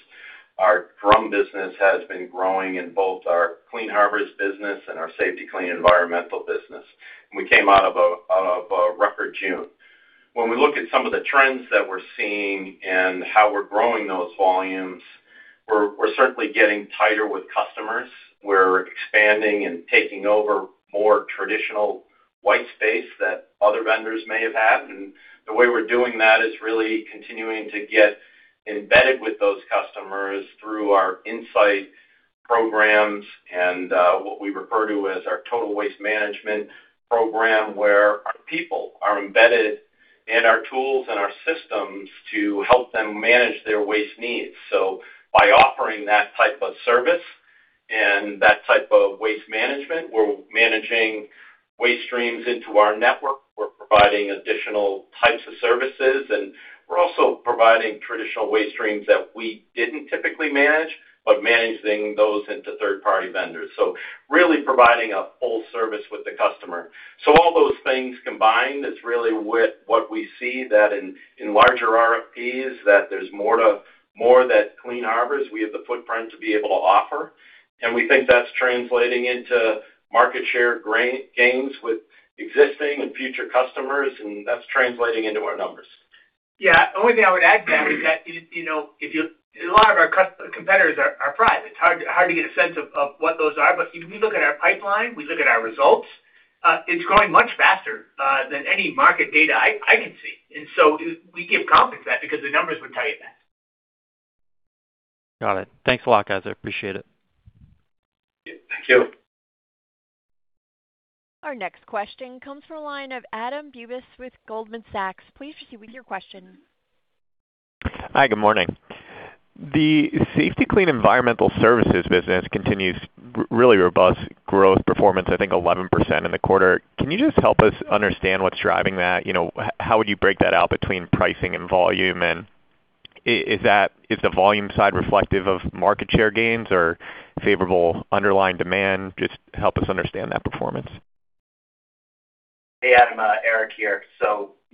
our drum business has been growing in both our Clean Harbors business and our Safety-Kleen Environmental business. We came out of a record June. When we look at some of the trends that we're seeing and how we're growing those volumes, we're certainly getting tighter with customers. We're expanding and taking over more traditional white space that other vendors may have had. The way we're doing that is really continuing to get embedded with those customers through our insight programs and what we refer to as our total waste management program, where our people are embedded in our tools and our systems to help them manage their waste needs. By offering that type of service and that type of waste management, we're managing waste streams into our network, we're providing additional types of services, and we're also providing traditional waste streams that we didn't typically manage, but managing those into third-party vendors. Really providing a full service with the customer. All those things combined is really what we see that in larger RFPs, that there's more that Clean Harbors, we have the footprint to be able to offer. We think that's translating into market share gains with existing and future customers, and that's translating into our numbers. Yeah. The only thing I would add to that is that a lot of our competitors are private. It's hard to get a sense of what those are. If we look at our pipeline, we look at our results, it's growing much faster than any market data I can see. We give confidence to that because the numbers would tell you that. Got it. Thanks a lot, guys. I appreciate it. Thank you. Our next question comes from the line of Adam Bubes with Goldman Sachs. Please proceed with your question. Hi, good morning. The Safety-Kleen Environmental Services business continues really robust growth performance, I think 11% in the quarter. Can you just help us understand what's driving that? How would you break that out between pricing and volume? Is the volume side reflective of market share gains or favorable underlying demand? Just help us understand that performance. Hey, Adam. Eric here.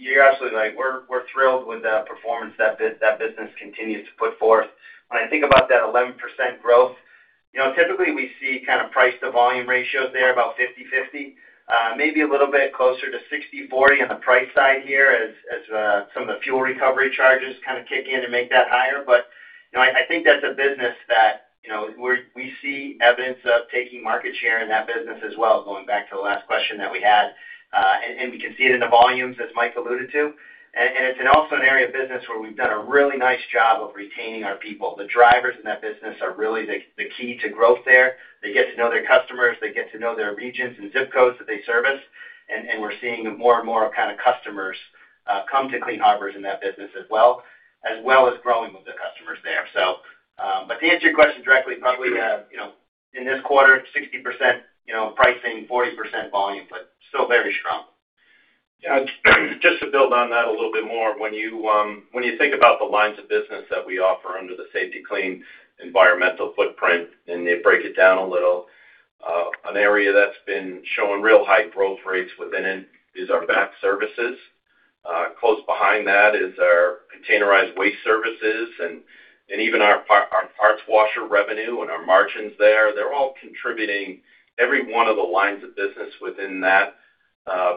You're absolutely right. We're thrilled with the performance that business continues to put forth. When I think about that 11% growth, typically we see price to volume ratios there about 50/50. Maybe a little bit closer to 60/40 on the price side here as some of the fuel recovery charges kind of kick in to make that higher. I think that's a business that we see evidence of taking market share in that business as well, going back to the last question that we had. We can see it in the volumes, as Mike alluded to. It's also an area of business where we've done a really nice job of retaining our people. The drivers in that business are really the key to growth there. They get to know their customers. They get to know their regions and ZIP codes that they service. We're seeing more and more customers come to Clean Harbors in that business as well, as well as growing with the customers there. To answer your question directly, probably in this quarter, 60% pricing, 40% volume, but still very strong. Yeah. Just to build on that a little bit more. When you think about the lines of business that we offer under the Safety-Kleen environmental footprint, and you break it down a little, an area that's been showing real high growth rates within it is our vac services. Close behind that is our containerized waste services and even our parts washer revenue and our margins there. They're all contributing. Every one of the lines of business within that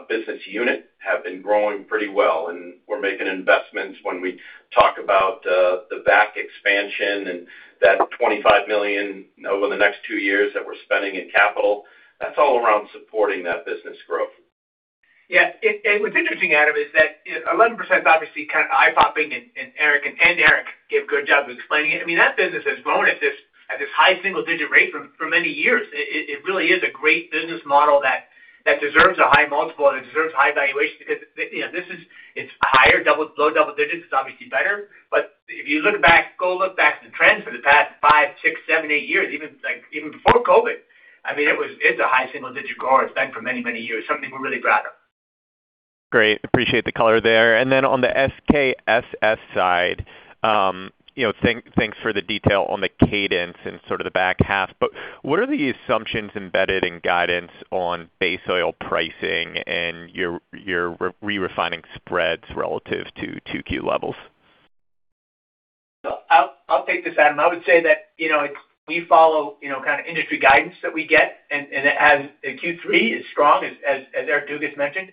business unit have been growing pretty well, and we're making investments. When we talk about the vac expansion and that $25 million over the next two years that we're spending in capital, that's all around supporting that business growth. Yeah. What's interesting, Adam, is that 11% is obviously kind of eye-popping, and Eric did a good job of explaining it. That business has grown at this high single-digit rate for many years. It really is a great business model that deserves a high multiple and it deserves high valuation because it's higher. Low double digits is obviously better. If you go look back at the trends for the past five, six, seven, eight years, even before COVID, it's a high single-digit grower. It's been for many years, something we're really proud of. Great. Appreciate the color there. Then on the SKSS side, thanks for the detail on the cadence in sort of the back half, what are the assumptions embedded in guidance on base oil pricing and your re-refining spreads relative to 2Q levels? I'll take this, Adam. I would say that we follow industry guidance that we get, Q3 is strong, as Eric Dugas mentioned.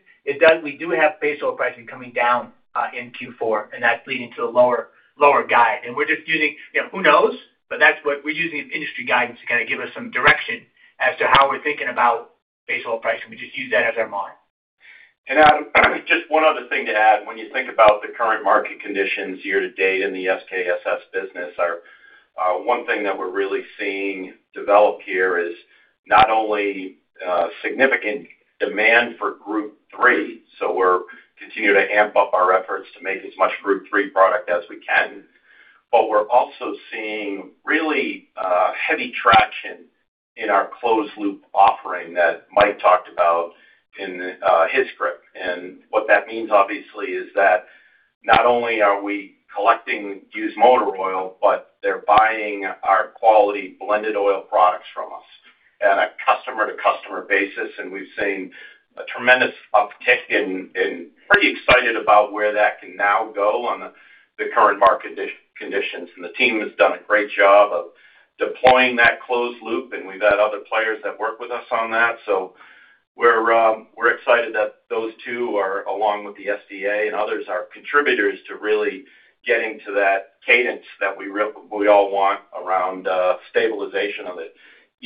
We do have base oil pricing coming down in Q4, and that's leading to a lower guide. Who knows? We're using industry guidance to kind of give us some direction as to how we're thinking about base oil pricing. We just use that as our model. Adam, just one other thing to add. When you think about the current market conditions year to date in the SKSS business, one thing that we're really seeing develop here is not only significant demand for Group III, so we continue to amp up our efforts to make as much Group III product as we can. We're also seeing really heavy traction in our closed loop offering that Mike talked about in his script. What that means, obviously, is that not only are we collecting used motor oil, but they're buying our quality blended oil products from us on a customer-to-customer basis, and we've seen a tremendous uptick and pretty excited about where that can now go on the current market conditions. The team has done a great job of deploying that closed loop, and we've had other players that work with us on that. We're excited that those two are, along with the SDA and others, are contributors to really getting to that cadence that we all want around stabilization of the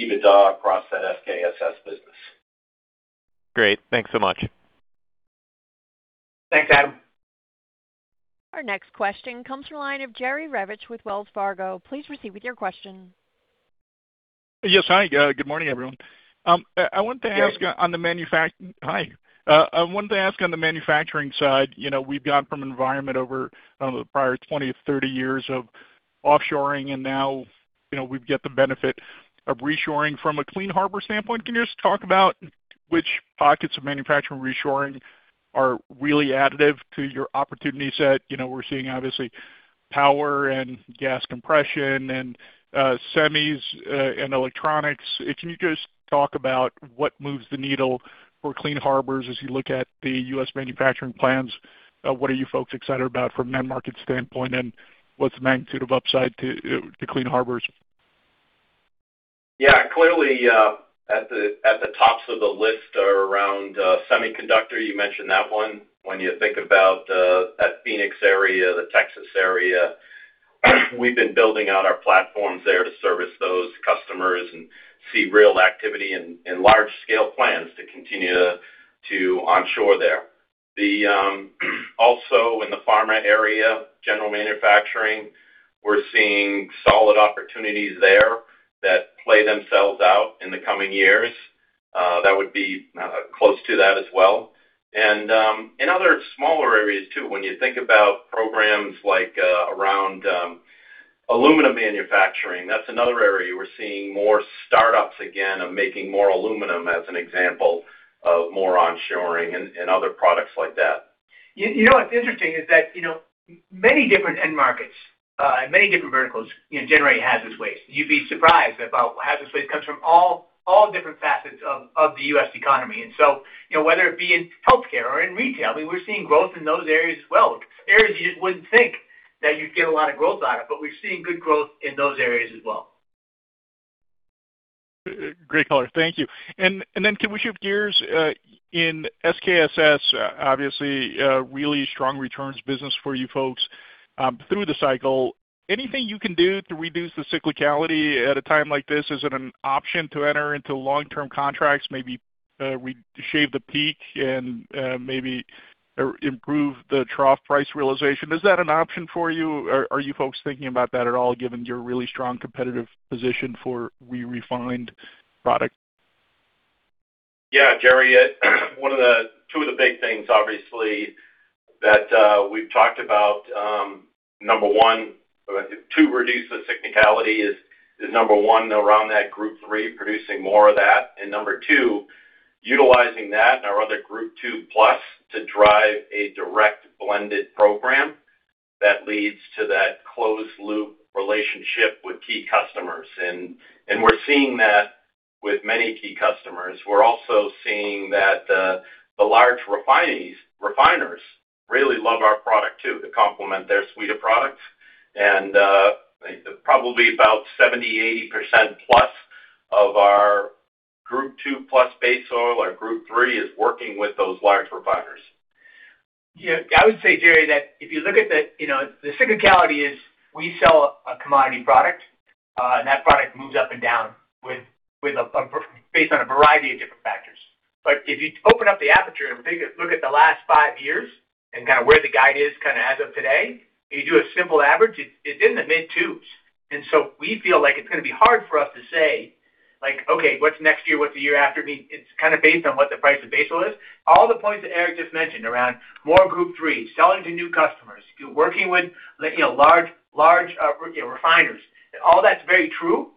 EBITDA across that SKSS business. Great. Thanks so much. Thanks, Adam. Our next question comes from the line of Jerry Revich with Wells Fargo. Please proceed with your question. Yes. Hi. Good morning, everyone. Jerry. Hi. I wanted to ask on the manufacturing side, we've gone from an environment over the prior 20 or 30 years of offshoring, now we've get the benefit of reshoring. From a Clean Harbors standpoint, can you just talk about which pockets of manufacturing reshoring are really additive to your opportunity set? We're seeing, obviously, power and gas compression and semis and electronics. Can you just talk about what moves the needle for Clean Harbors as you look at the U.S. manufacturing plans? What are you folks excited about from an end market standpoint, and what's the magnitude of upside to Clean Harbors? Clearly, at the tops of the list are around semiconductor. You mentioned that one. When you think about that Phoenix area, the Texas area, we've been building out our platforms there to service those customers and see real activity and large scale plans to continue to onshore there. Also in the pharma area, general manufacturing, we're seeing solid opportunities there that play themselves out in the coming years. That would be close to that as well. In other smaller areas too, when you think about programs like around aluminum manufacturing, that's another area we're seeing more startups again of making more aluminum, as an example of more onshoring and other products like that. You know what's interesting is that many different end markets and many different verticals generate hazardous waste. You'd be surprised about hazardous waste comes from all different facets of the U.S. economy. Whether it be in healthcare or in retail, we're seeing growth in those areas as well. Areas you just wouldn't think that you'd get a lot of growth out of, we're seeing good growth in those areas as well. Great color. Thank you. Can we shift gears? In SKSS, obviously, really strong returns business for you folks through the cycle. Anything you can do to reduce the cyclicality at a time like this? Is it an option to enter into long-term contracts, maybe shave the peak and maybe improve the trough price realization? Is that an option for you? Are you folks thinking about that at all, given your really strong competitive position for re-refined product? Jerry, two of the big things, obviously, that we've talked about to reduce the cyclicality is number 1 around that Group III, producing more of that. Number 2, utilizing that and our other Group II+ to drive a direct blended program that leads to that closed loop relationship with key customers. We're seeing that with many key customers. We're also seeing that the large refiners really love our product too, to complement their suite of products. Probably about 70, 80%+ of our Group II+ base oil or Group III is working with those large refiners. I would say, Jerry, that if you look at the cyclicality is, we sell a commodity product, that product moves up and down based on a variety of different factors. If you open up the aperture and look at the last five years and where the guide is as of today, and you do a simple average, it's in the mid twos. We feel like it's going to be hard for us to say, Okay, what's next year? What's the year after? It's based on what the price of base oil is. All the points that Eric just mentioned around more Group III, selling to new customers, working with large refiners, all that's very true,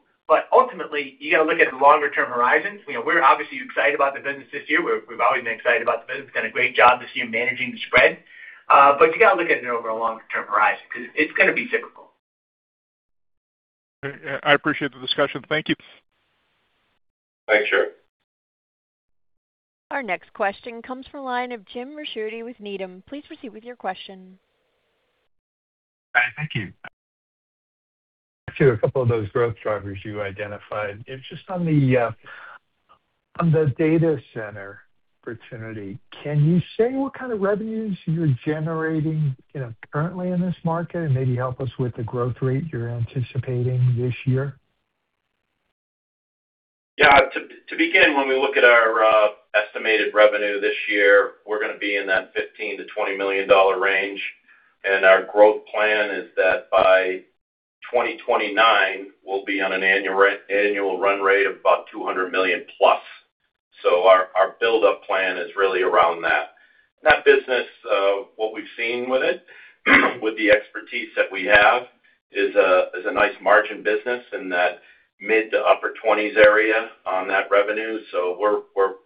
ultimately, you got to look at the longer term horizons. We're obviously excited about the business this year. We've always been excited about the business. Done a great job this year managing the spread. You got to look at it over a longer term horizon, because it's going to be cyclical. I appreciate the discussion. Thank you. Thanks, Jerry. Our next question comes from line of Jim Ricchiuti with Needham. Please proceed with your question. Thank you. To a couple of those growth drivers you identified, just on the data center opportunity, can you say what kind of revenues you're generating currently in this market and maybe help us with the growth rate you're anticipating this year? Yeah. To begin, when we look at our estimated revenue this year, we're going to be in that $15 million-$20 million range. Our growth plan is that by 2029, we'll be on an annual run rate of about $200 million+. Our buildup plan is really around that. That business, what we've seen with it, with the expertise that we have, is a nice margin business in that mid-to-upper 20s area on that revenue.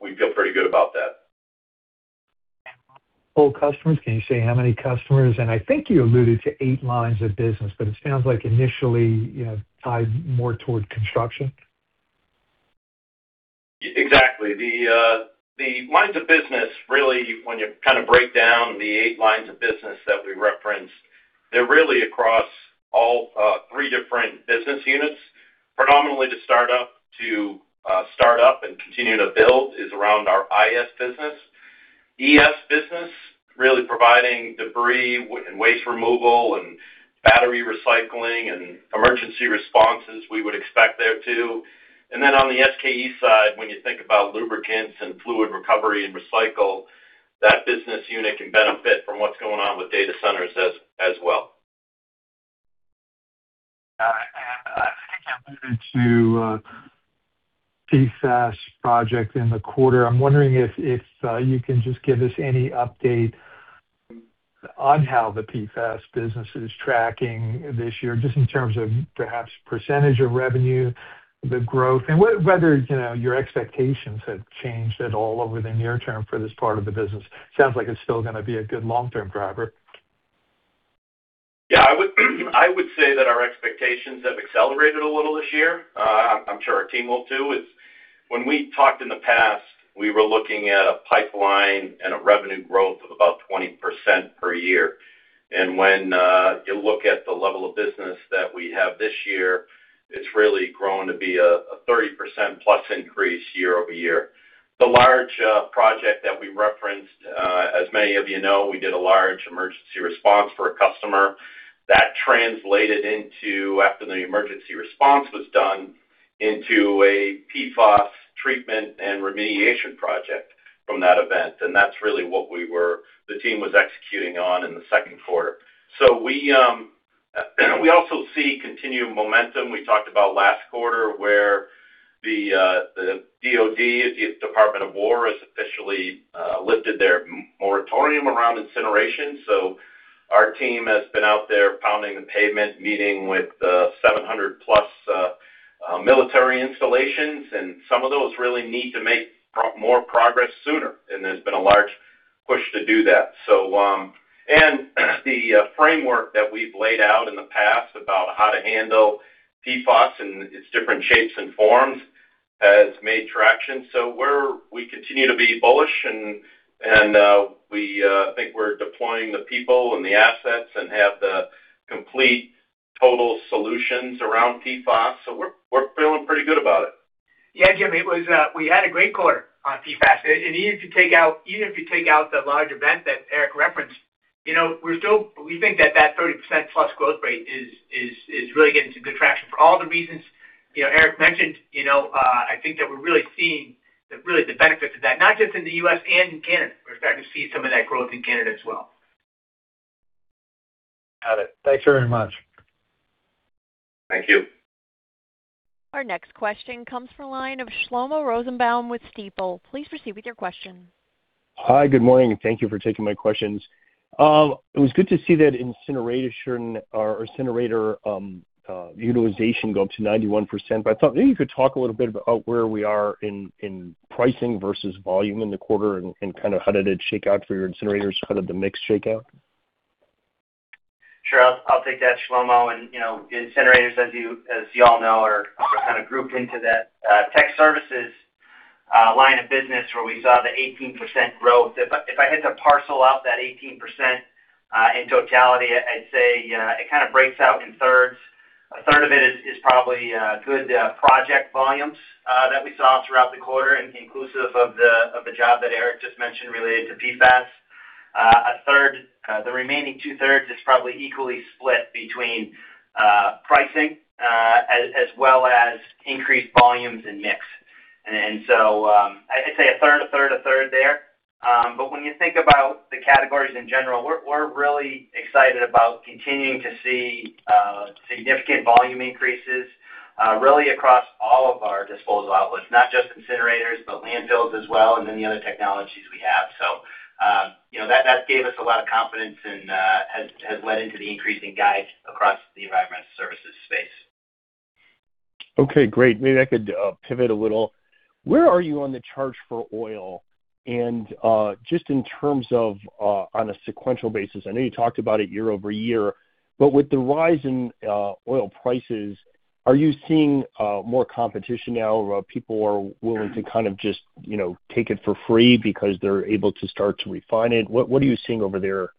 We feel pretty good about that. Total customers, can you say how many customers? I think you alluded to eight lines of business, but it sounds like initially tied more toward construction. Exactly. The lines of business, really, when you break down the eight lines of business that we referenced, they're really across all three different business units. Predominantly to start up and continue to build is around our IS business. ES business, really providing debris and waste removal and battery recycling and emergency responses we would expect there, too. On the SKE side, when you think about lubricants and fluid recovery and recycle, that business unit can benefit from what's going on with data centers as well. I think you alluded to PFAS project in the quarter. I'm wondering if you can just give us any update on how the PFAS business is tracking this year, just in terms of perhaps % of revenue, the growth, and whether your expectations have changed at all over the near term for this part of the business. Sounds like it's still going to be a good long term driver. Yeah. I would say that our expectations have accelerated a little this year. I'm sure our team will too. When we talked in the past, we were looking at a pipeline and a revenue growth of about 20% per year. When you look at the level of business that we have this year, it's really grown to be a 30%+ increase year-over-year. The large project that we referenced, as many of you know, we did a large emergency response for a customer. That translated into, after the emergency response was done, into a PFAS treatment and remediation project from that event. That's really what the team was executing on in the second quarter. We also see continued momentum. We talked about last quarter where the DoD, the Department of War, has officially lifted their moratorium around incineration. Our team has been out there pounding the pavement, meeting with 700+ military installations, some of those really need to make more progress sooner. There's been a large push to do that. The framework that we've laid out in the past about how to handle PFAS in its different shapes and forms has made traction. We continue to be bullish, we think we're deploying the people and the assets, have the complete total solutions around PFAS. We're feeling pretty good about it. Jim, we had a great quarter on PFAS. Even if you take out the large event that Eric referenced, we think that that 30%+ growth rate is really getting some good traction for all the reasons Eric mentioned. I think that we're really seeing the benefits of that, not just in the U.S., and in Canada. We're starting to see some of that growth in Canada as well. Got it. Thanks very much. Thank you. Our next question comes from the line of Shlomo Rosenbaum with Stifel. Please proceed with your question. Hi, good morning, and thank you for taking my questions. It was good to see that incinerator utilization go up to 91%, but I thought maybe you could talk a little bit about where we are in pricing versus volume in the quarter, and how did it shake out for your incinerators? How did the mix shake out? Sure. I'll take that, Shlomo. Incinerators, as you all know, are kind of grouped into that tech services line of business where we saw the 18% growth. If I had to parcel out that 18% in totality, I'd say it kind of breaks out in thirds. A third of it is probably good project volumes that we saw throughout the quarter, inclusive of the job that Eric just mentioned related to PFAS. The remaining two-thirds is probably equally split between pricing as well as increased volumes and mix. I'd say a third, a third, a third there. When you think about the categories in general, we're really excited about continuing to see significant volume increases really across all of our disposal outlets, not just incinerators, but landfills as well, and then the other technologies we have. That gave us a lot of confidence and has led into the increase in guide across the environmental services space. Okay, great. Maybe I could pivot a little. Where are you on the charge for oil? Just in terms of on a sequential basis, I know you talked about it year-over-year, but with the rise in oil prices, are you seeing more competition now where people are willing to kind of just take it for free because they're able to start to refine it? What are you seeing over there?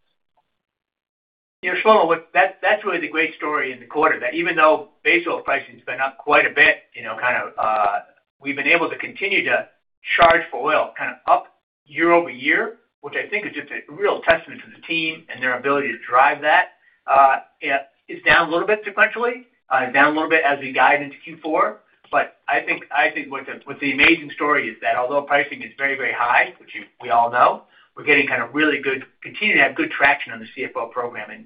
Shlomo, that's really the great story in the quarter. That even though base oil pricing's been up quite a bit, we've been able to continue to charge for oil up year-over-year, which I think is just a real testament to the team and their ability to drive that. It's down a little bit sequentially, down a little bit as we guide into Q4. I think what the amazing story is that although pricing is very high, which we all know, we're continuing to have good traction on the CFO program.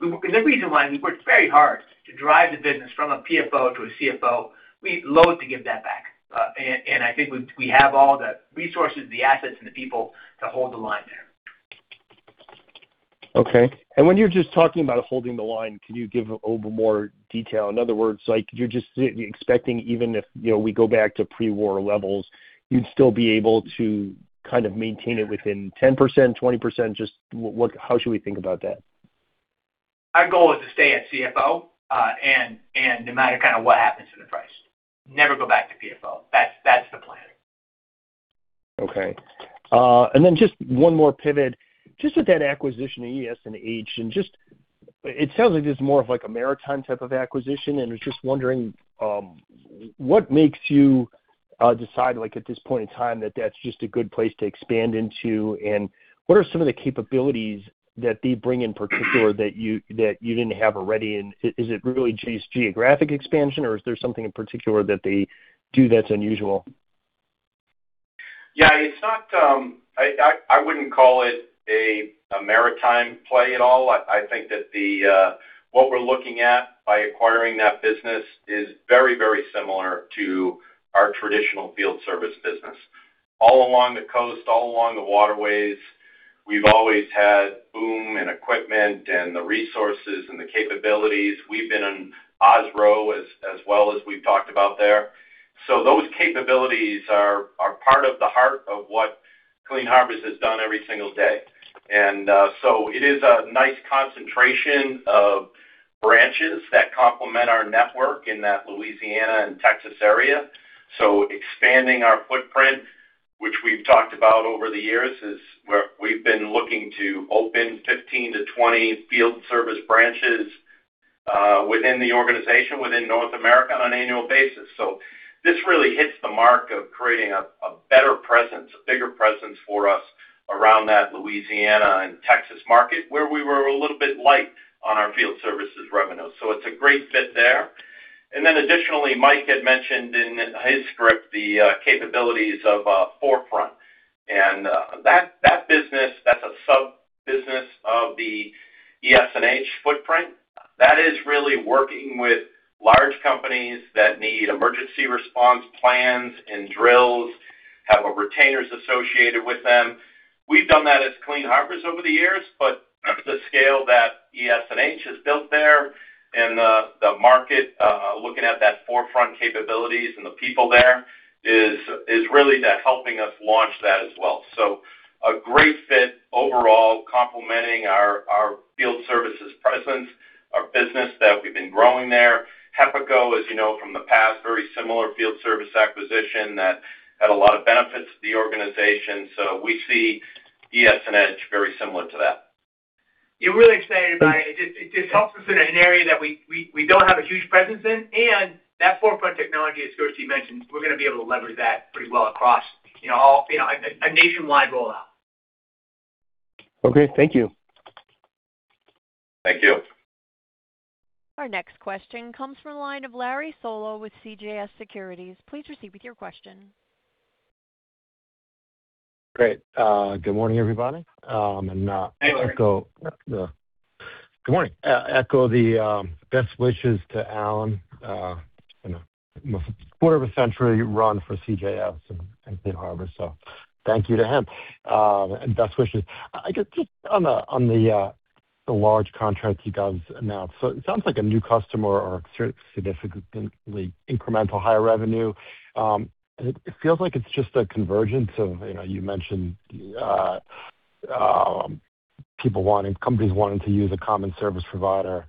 The reason why we've worked very hard to drive the business from a PFO to a CFO, we loathe to give that back. I think we have all the resources, the assets, and the people to hold the line there. Okay. When you're just talking about holding the line, can you give a little bit more detail? In other words, you're just expecting even if we go back to pre-war levels, you'd still be able to maintain it within 10%-20%? Just how should we think about that? Our goal is to stay at CFO, no matter what happens to the price. Never go back to PFO. That's the plan. Okay. Then just one more pivot. Just with that acquisition of ES&H, it sounds like this is more of a maritime type of acquisition. I was just wondering, what makes you decide at this point in time that that's just a good place to expand into? What are some of the capabilities that they bring in particular that you didn't have already? Is it really just geographic expansion, or is there something in particular that they do that's unusual? I wouldn't call it a maritime play at all. I think that what we're looking at by acquiring that business is very similar to our traditional field service business. All along the coast, all along the waterways, we've always had boom and equipment and the resources and the capabilities. We've been in OSRO as well, as we've talked about there. Those capabilities are part of the heart of what Clean Harbors has done every single day. It is a nice concentration of branches that complement our network in that Louisiana and Texas area. Expanding our footprint, which we've talked about over the years, is where we've been looking to open 15-20 field service branches within the organization, within North America on an annual basis. This really hits the mark of creating a better presence, a bigger presence for us around that Louisiana and Texas market, where we were a little bit light on our field services revenue. It's a great fit there. Additionally, Mike had mentioned in his script the capabilities of Forefront, and that business, that's a sub-business of the ES&H footprint. That is really working with large companies that need emergency response plans and drills, have our retainers associated with them. We've done that as Clean Harbors over the years, but the scale that ES&H has built there and the market, looking at that Forefront capabilities and the people there, is really helping us launch that as well. A great fit overall complementing our field services presence, our business that we've been growing there. HEPACO, as you know from the past, very similar field service acquisition that had a lot of benefits to the organization. We see ES&H very similar to that. We're really excited about it. It just helps us in an area that we don't have a huge presence in. That Forefront technology, as Kirsty mentioned, we're going to be able to leverage that pretty well across a nationwide rollout. Okay. Thank you. Thank you. Our next question comes from the line of Larry Solow with CJS Securities. Please proceed with your question. Great. Good morning, everybody. Hey, Larry. Good morning. Echo the best wishes to Alan on a quarter of a century run for CJS and Clean Harbors. Thank you to him. Best wishes. I guess, just on the large contracts you guys announced, it sounds like a new customer or significantly incremental higher revenue. It feels like it's just a convergence of, you mentioned companies wanting to use a common service provider.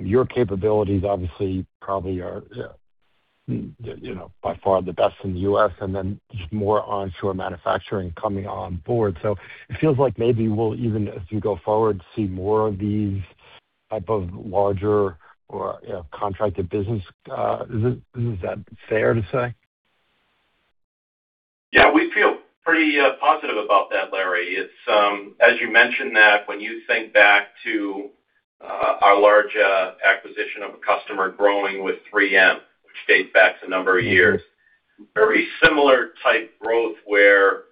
Your capabilities obviously probably are by far the best in the U.S., and then just more onshore manufacturing coming on board. It feels like maybe we'll even, as you go forward, see more of these type of larger or contracted business. Is that fair to say? Yeah, we feel pretty positive about that, Larry. You mentioned that, when you think back to our large acquisition of a customer growing with 3M, which dates back to a number of years. Very similar type growth where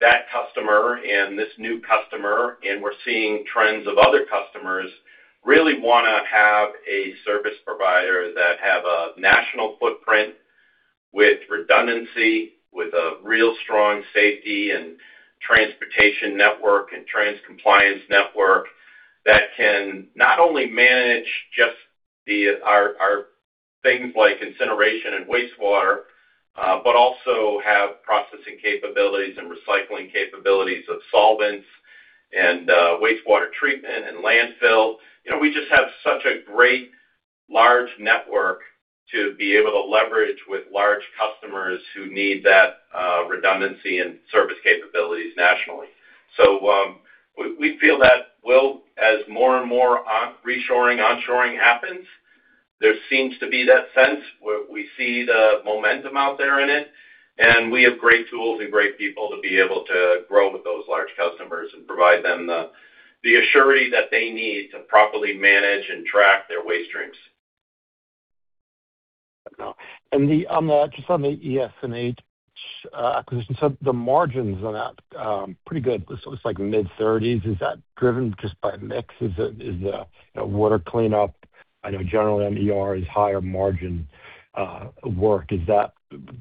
that customer and this new customer, and we're seeing trends of other customers, really want to have a service provider that have a national footprint with redundancy, with a real strong safety and transportation network and trans-compliance network that can not only manage just our things like incineration and wastewater, but also have processing capabilities and recycling capabilities of solvents and wastewater treatment and landfill. We just have such a great large network to be able to leverage with large customers who need that redundancy and service capabilities nationally. We feel that as more and more reshoring, onshoring happens, there seems to be that sense where we see the momentum out there in it, and we have great tools and great people to be able to grow with those large customers and provide them the assurity that they need to properly manage and track their waste streams. Just on the ES&H acquisition, the margins on that, pretty good. It's like mid-30s. Is that driven just by mix? Is the water cleanup, I know generally ER is higher margin work. Is that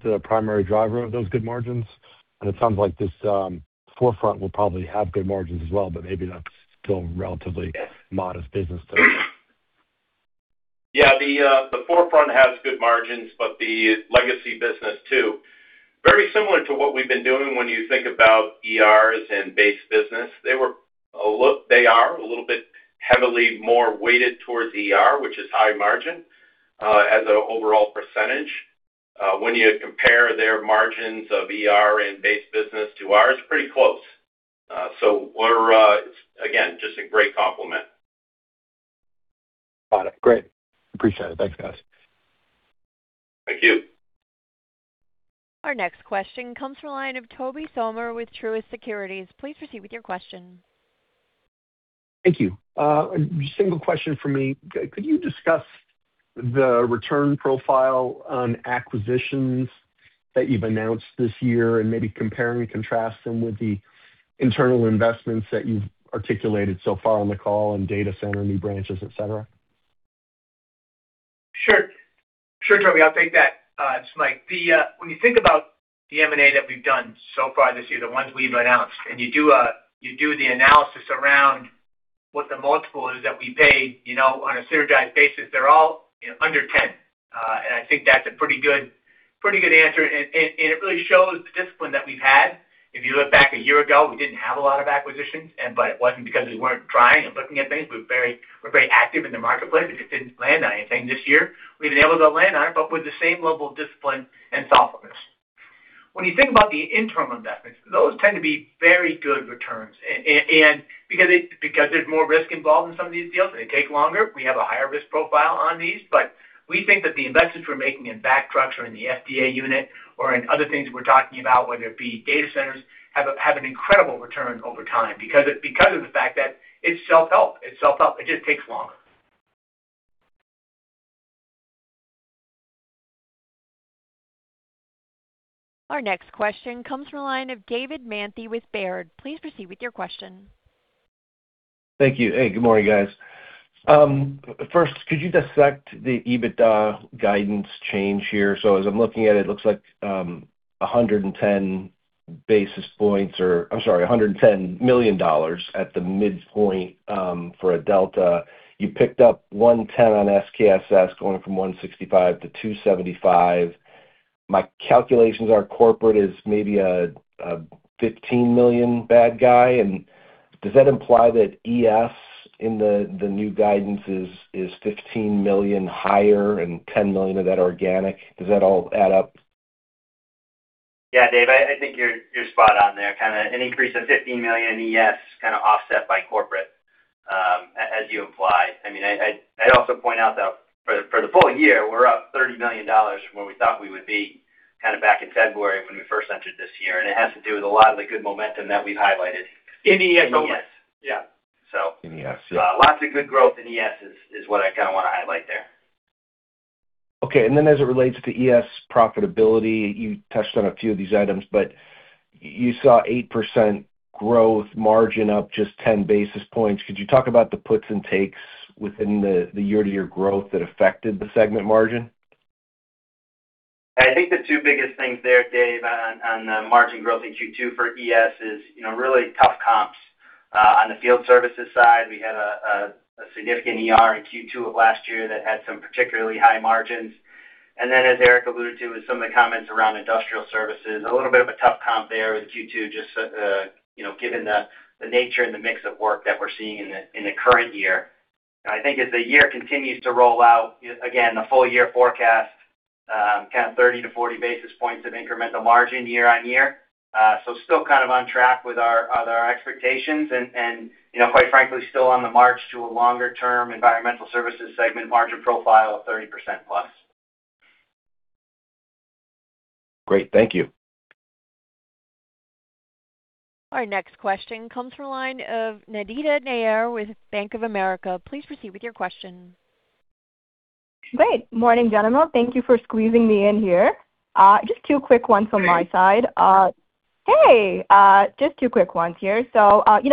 the primary driver of those good margins? It sounds like this Forefront will probably have good margins as well, but maybe that's still a relatively modest business today. The Forefront has good margins, but the legacy business too. Very similar to what we've been doing when you think about ERs and base business. They are a little bit heavily more weighted towards ER, which is high margin, as an overall percentage. When you compare their margins of ER and base business to ours, pretty close. We're, again, just a great complement. Got it. Great. Appreciate it. Thanks, guys. Thank you. Our next question comes from the line of Tobey Sommer with Truist Securities. Please proceed with your question. Thank you. A single question for me. Could you discuss the return profile on acquisitions that you've announced this year and maybe compare and contrast them with the internal investments that you've articulated so far on the call in data center, new branches, et cetera? Sure, Tobey, I'll take that. It's Mike. When you think about the M&A that we've done so far this year, the ones we've announced, and you do the analysis around what the multiple is that we paid on an annualized basis, they're all under 10. I think that's a pretty good answer, and it really shows the discipline that we've had. If you look back a year ago, we didn't have a lot of acquisitions, it wasn't because we weren't trying and looking at things. We're very active in the marketplace. We just didn't land on anything. This year, we've been able to go land on it, with the same level of discipline and thoughtfulness. When you think about the internal investments, those tend to be very good returns. Because there's more risk involved in some of these deals, they take longer. We have a higher risk profile on these. We think that the investments we're making in back trucks or in the SDA unit or in other things we're talking about, whether it be data centers, have an incredible return over time because of the fact that it's self-help. It just takes longer. Our next question comes from the line of David Manthey with Baird. Please proceed with your question. Thank you. Hey, good morning, guys. First, could you dissect the EBITDA guidance change here? As I'm looking at it looks like $110 million at the midpoint for a delta. You picked up $110 million on SKSS, going from $165 million-$275 million. My calculations are corporate is maybe a $15 million bad guy. Does that imply that ES in the new guidance is $15 million higher and $10 million of that organic? Does that all add up? Yeah, Dave, I think you're spot on there. An increase of $15 million in ES offset by corporate, as you imply. I'd also point out, though, for the full-year, we're up $30 million from where we thought we would be back in February when we first entered this year. It has to do with a lot of the good momentum that we've highlighted in ES. In ES. Yeah. In ES, yeah. Lots of good growth in ES is what I want to highlight there. Okay. Then as it relates to ES profitability, you touched on a few of these items, but you saw 8% growth margin up just 10 basis points. Could you talk about the puts and takes within the year-to-year growth that affected the segment margin? I think the two biggest things there, Dave, on the margin growth in Q2 for ES is really tough comps. On the field services side, we had a significant ER in Q2 of last year that had some particularly high margins. As Eric alluded to, with some of the comments around Industrial Services, a little bit of a tough comp there with Q2, just given the nature and the mix of work that we're seeing in the current year. I think as the year continues to roll out, again, the full-year forecast, 30 basis points-40 basis points of incremental margin year-over-year. Still on track with our expectations and quite frankly, still on the march to a longer-term Environmental Services segment margin profile of 30%+. Great. Thank you. Our next question comes from the line of Nandita Nayar with Bank of America. Please proceed with your question. Great. Morning, gentlemen. Thank you for squeezing me in here. Just two quick ones here.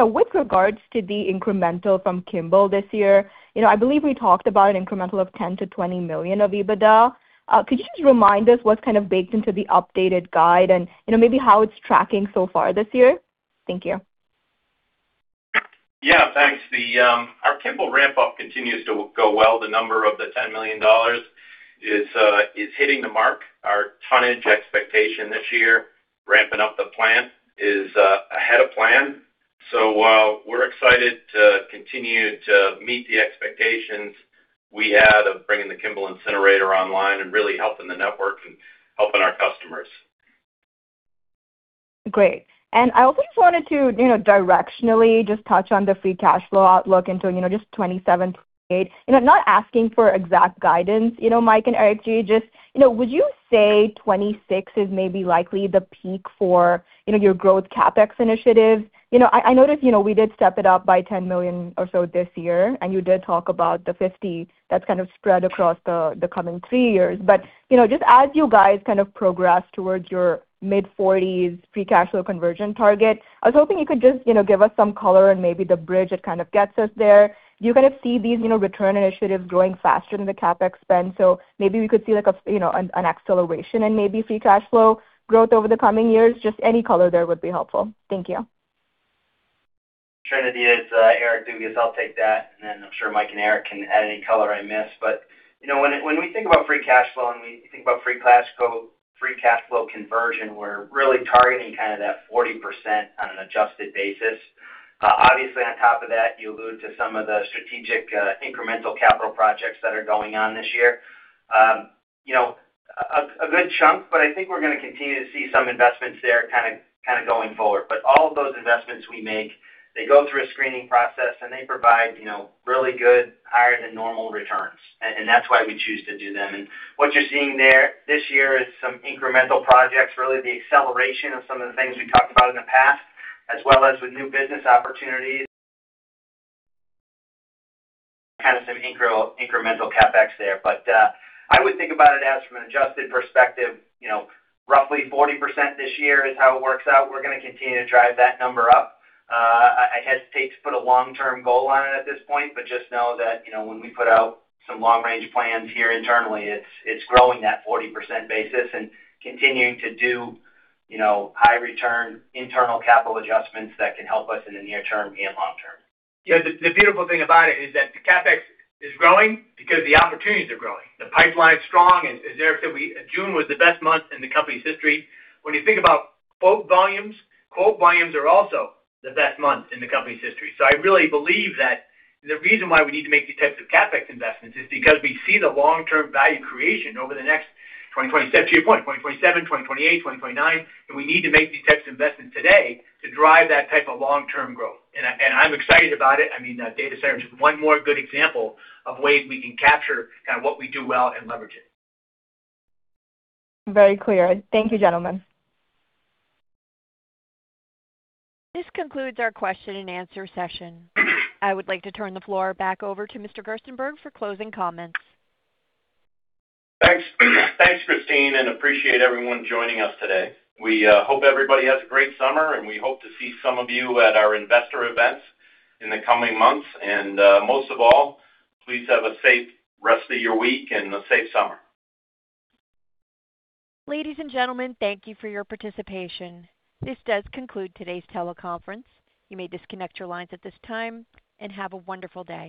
With regards to the incremental from Kimball this year, I believe we talked about an incremental of $10 million-$20 million of EBITDA. Could you just remind us what's baked into the updated guide and maybe how it's tracking so far this year? Thank you. Thanks. Our Kimball ramp-up continues to go well. The number of the $10 million is hitting the mark. Our tonnage expectation this year, ramping up the plant is ahead of plan. We're excited to continue to meet the expectations we had of bringing the Kimball incinerator online and really helping the network and helping our customers. Great. I also just wanted to directionally just touch on the free cash flow outlook into 2027, 2028. I'm not asking for exact guidance, Mike and Eric. Would you say 2026 is maybe likely the peak for your growth CapEx initiative? I noticed we did step it up by $10 million or so this year, and you did talk about the $50 million that's spread across the coming three years. Just as you guys progress towards your mid-40s free cash flow conversion target, I was hoping you could just give us some color and maybe the bridge that gets us there. Do you see these return initiatives growing faster than the CapEx spend? Maybe we could see an acceleration in maybe free cash flow growth over the coming years. Just any color there would be helpful. Thank you. Sure, Nandita. It's Eric Dugas. I'll take that. I'm sure Mike and Eric can add any color I miss. When we think about free cash flow and we think about free cash flow conversion, we're really targeting that 40% on an adjusted basis. Obviously, on top of that, you allude to some of the strategic incremental capital projects that are going on this year. A good chunk, but I think we're going to continue to see some investments there going forward. All of those investments we make, they go through a screening process, and they provide really good, higher than normal returns. That's why we choose to do them. What you're seeing there this year is some incremental projects, really the acceleration of some of the things we talked about in the past, as well as with new business opportunities. Some incremental CapEx there. I would think about it as from an adjusted perspective roughly 40% this year is how it works out. We're going to continue to drive that number up. I hesitate to put a long-term goal on it at this point, just know that when we put out some long-range plans here internally, it's growing that 40% basis and continuing to do high return internal capital adjustments that can help us in the near term and long term. The beautiful thing about it is that the CapEx is growing because the opportunities are growing. The pipeline's strong. As Eric said, June was the best month in the company's history. When you think about quote volumes, quote volumes are also the best month in the company's history. I really believe that the reason why we need to make these types of CapEx investments is because we see the long-term value creation over the next, to your point, 2027, 2028, 2029, and we need to make these types of investments today to drive that type of long-term growth. I'm excited about it. Data center is just one more good example of ways we can capture what we do well and leverage it. Very clear. Thank you, gentlemen. This concludes our question and answer session. I would like to turn the floor back over to Mr. Gerstenberg for closing comments. Thanks, Christine, appreciate everyone joining us today. We hope everybody has a great summer, we hope to see some of you at our investor events in the coming months. Most of all, please have a safe rest of your week and a safe summer. Ladies and gentlemen, thank you for your participation. This does conclude today's teleconference. You may disconnect your lines at this time. Have a wonderful day.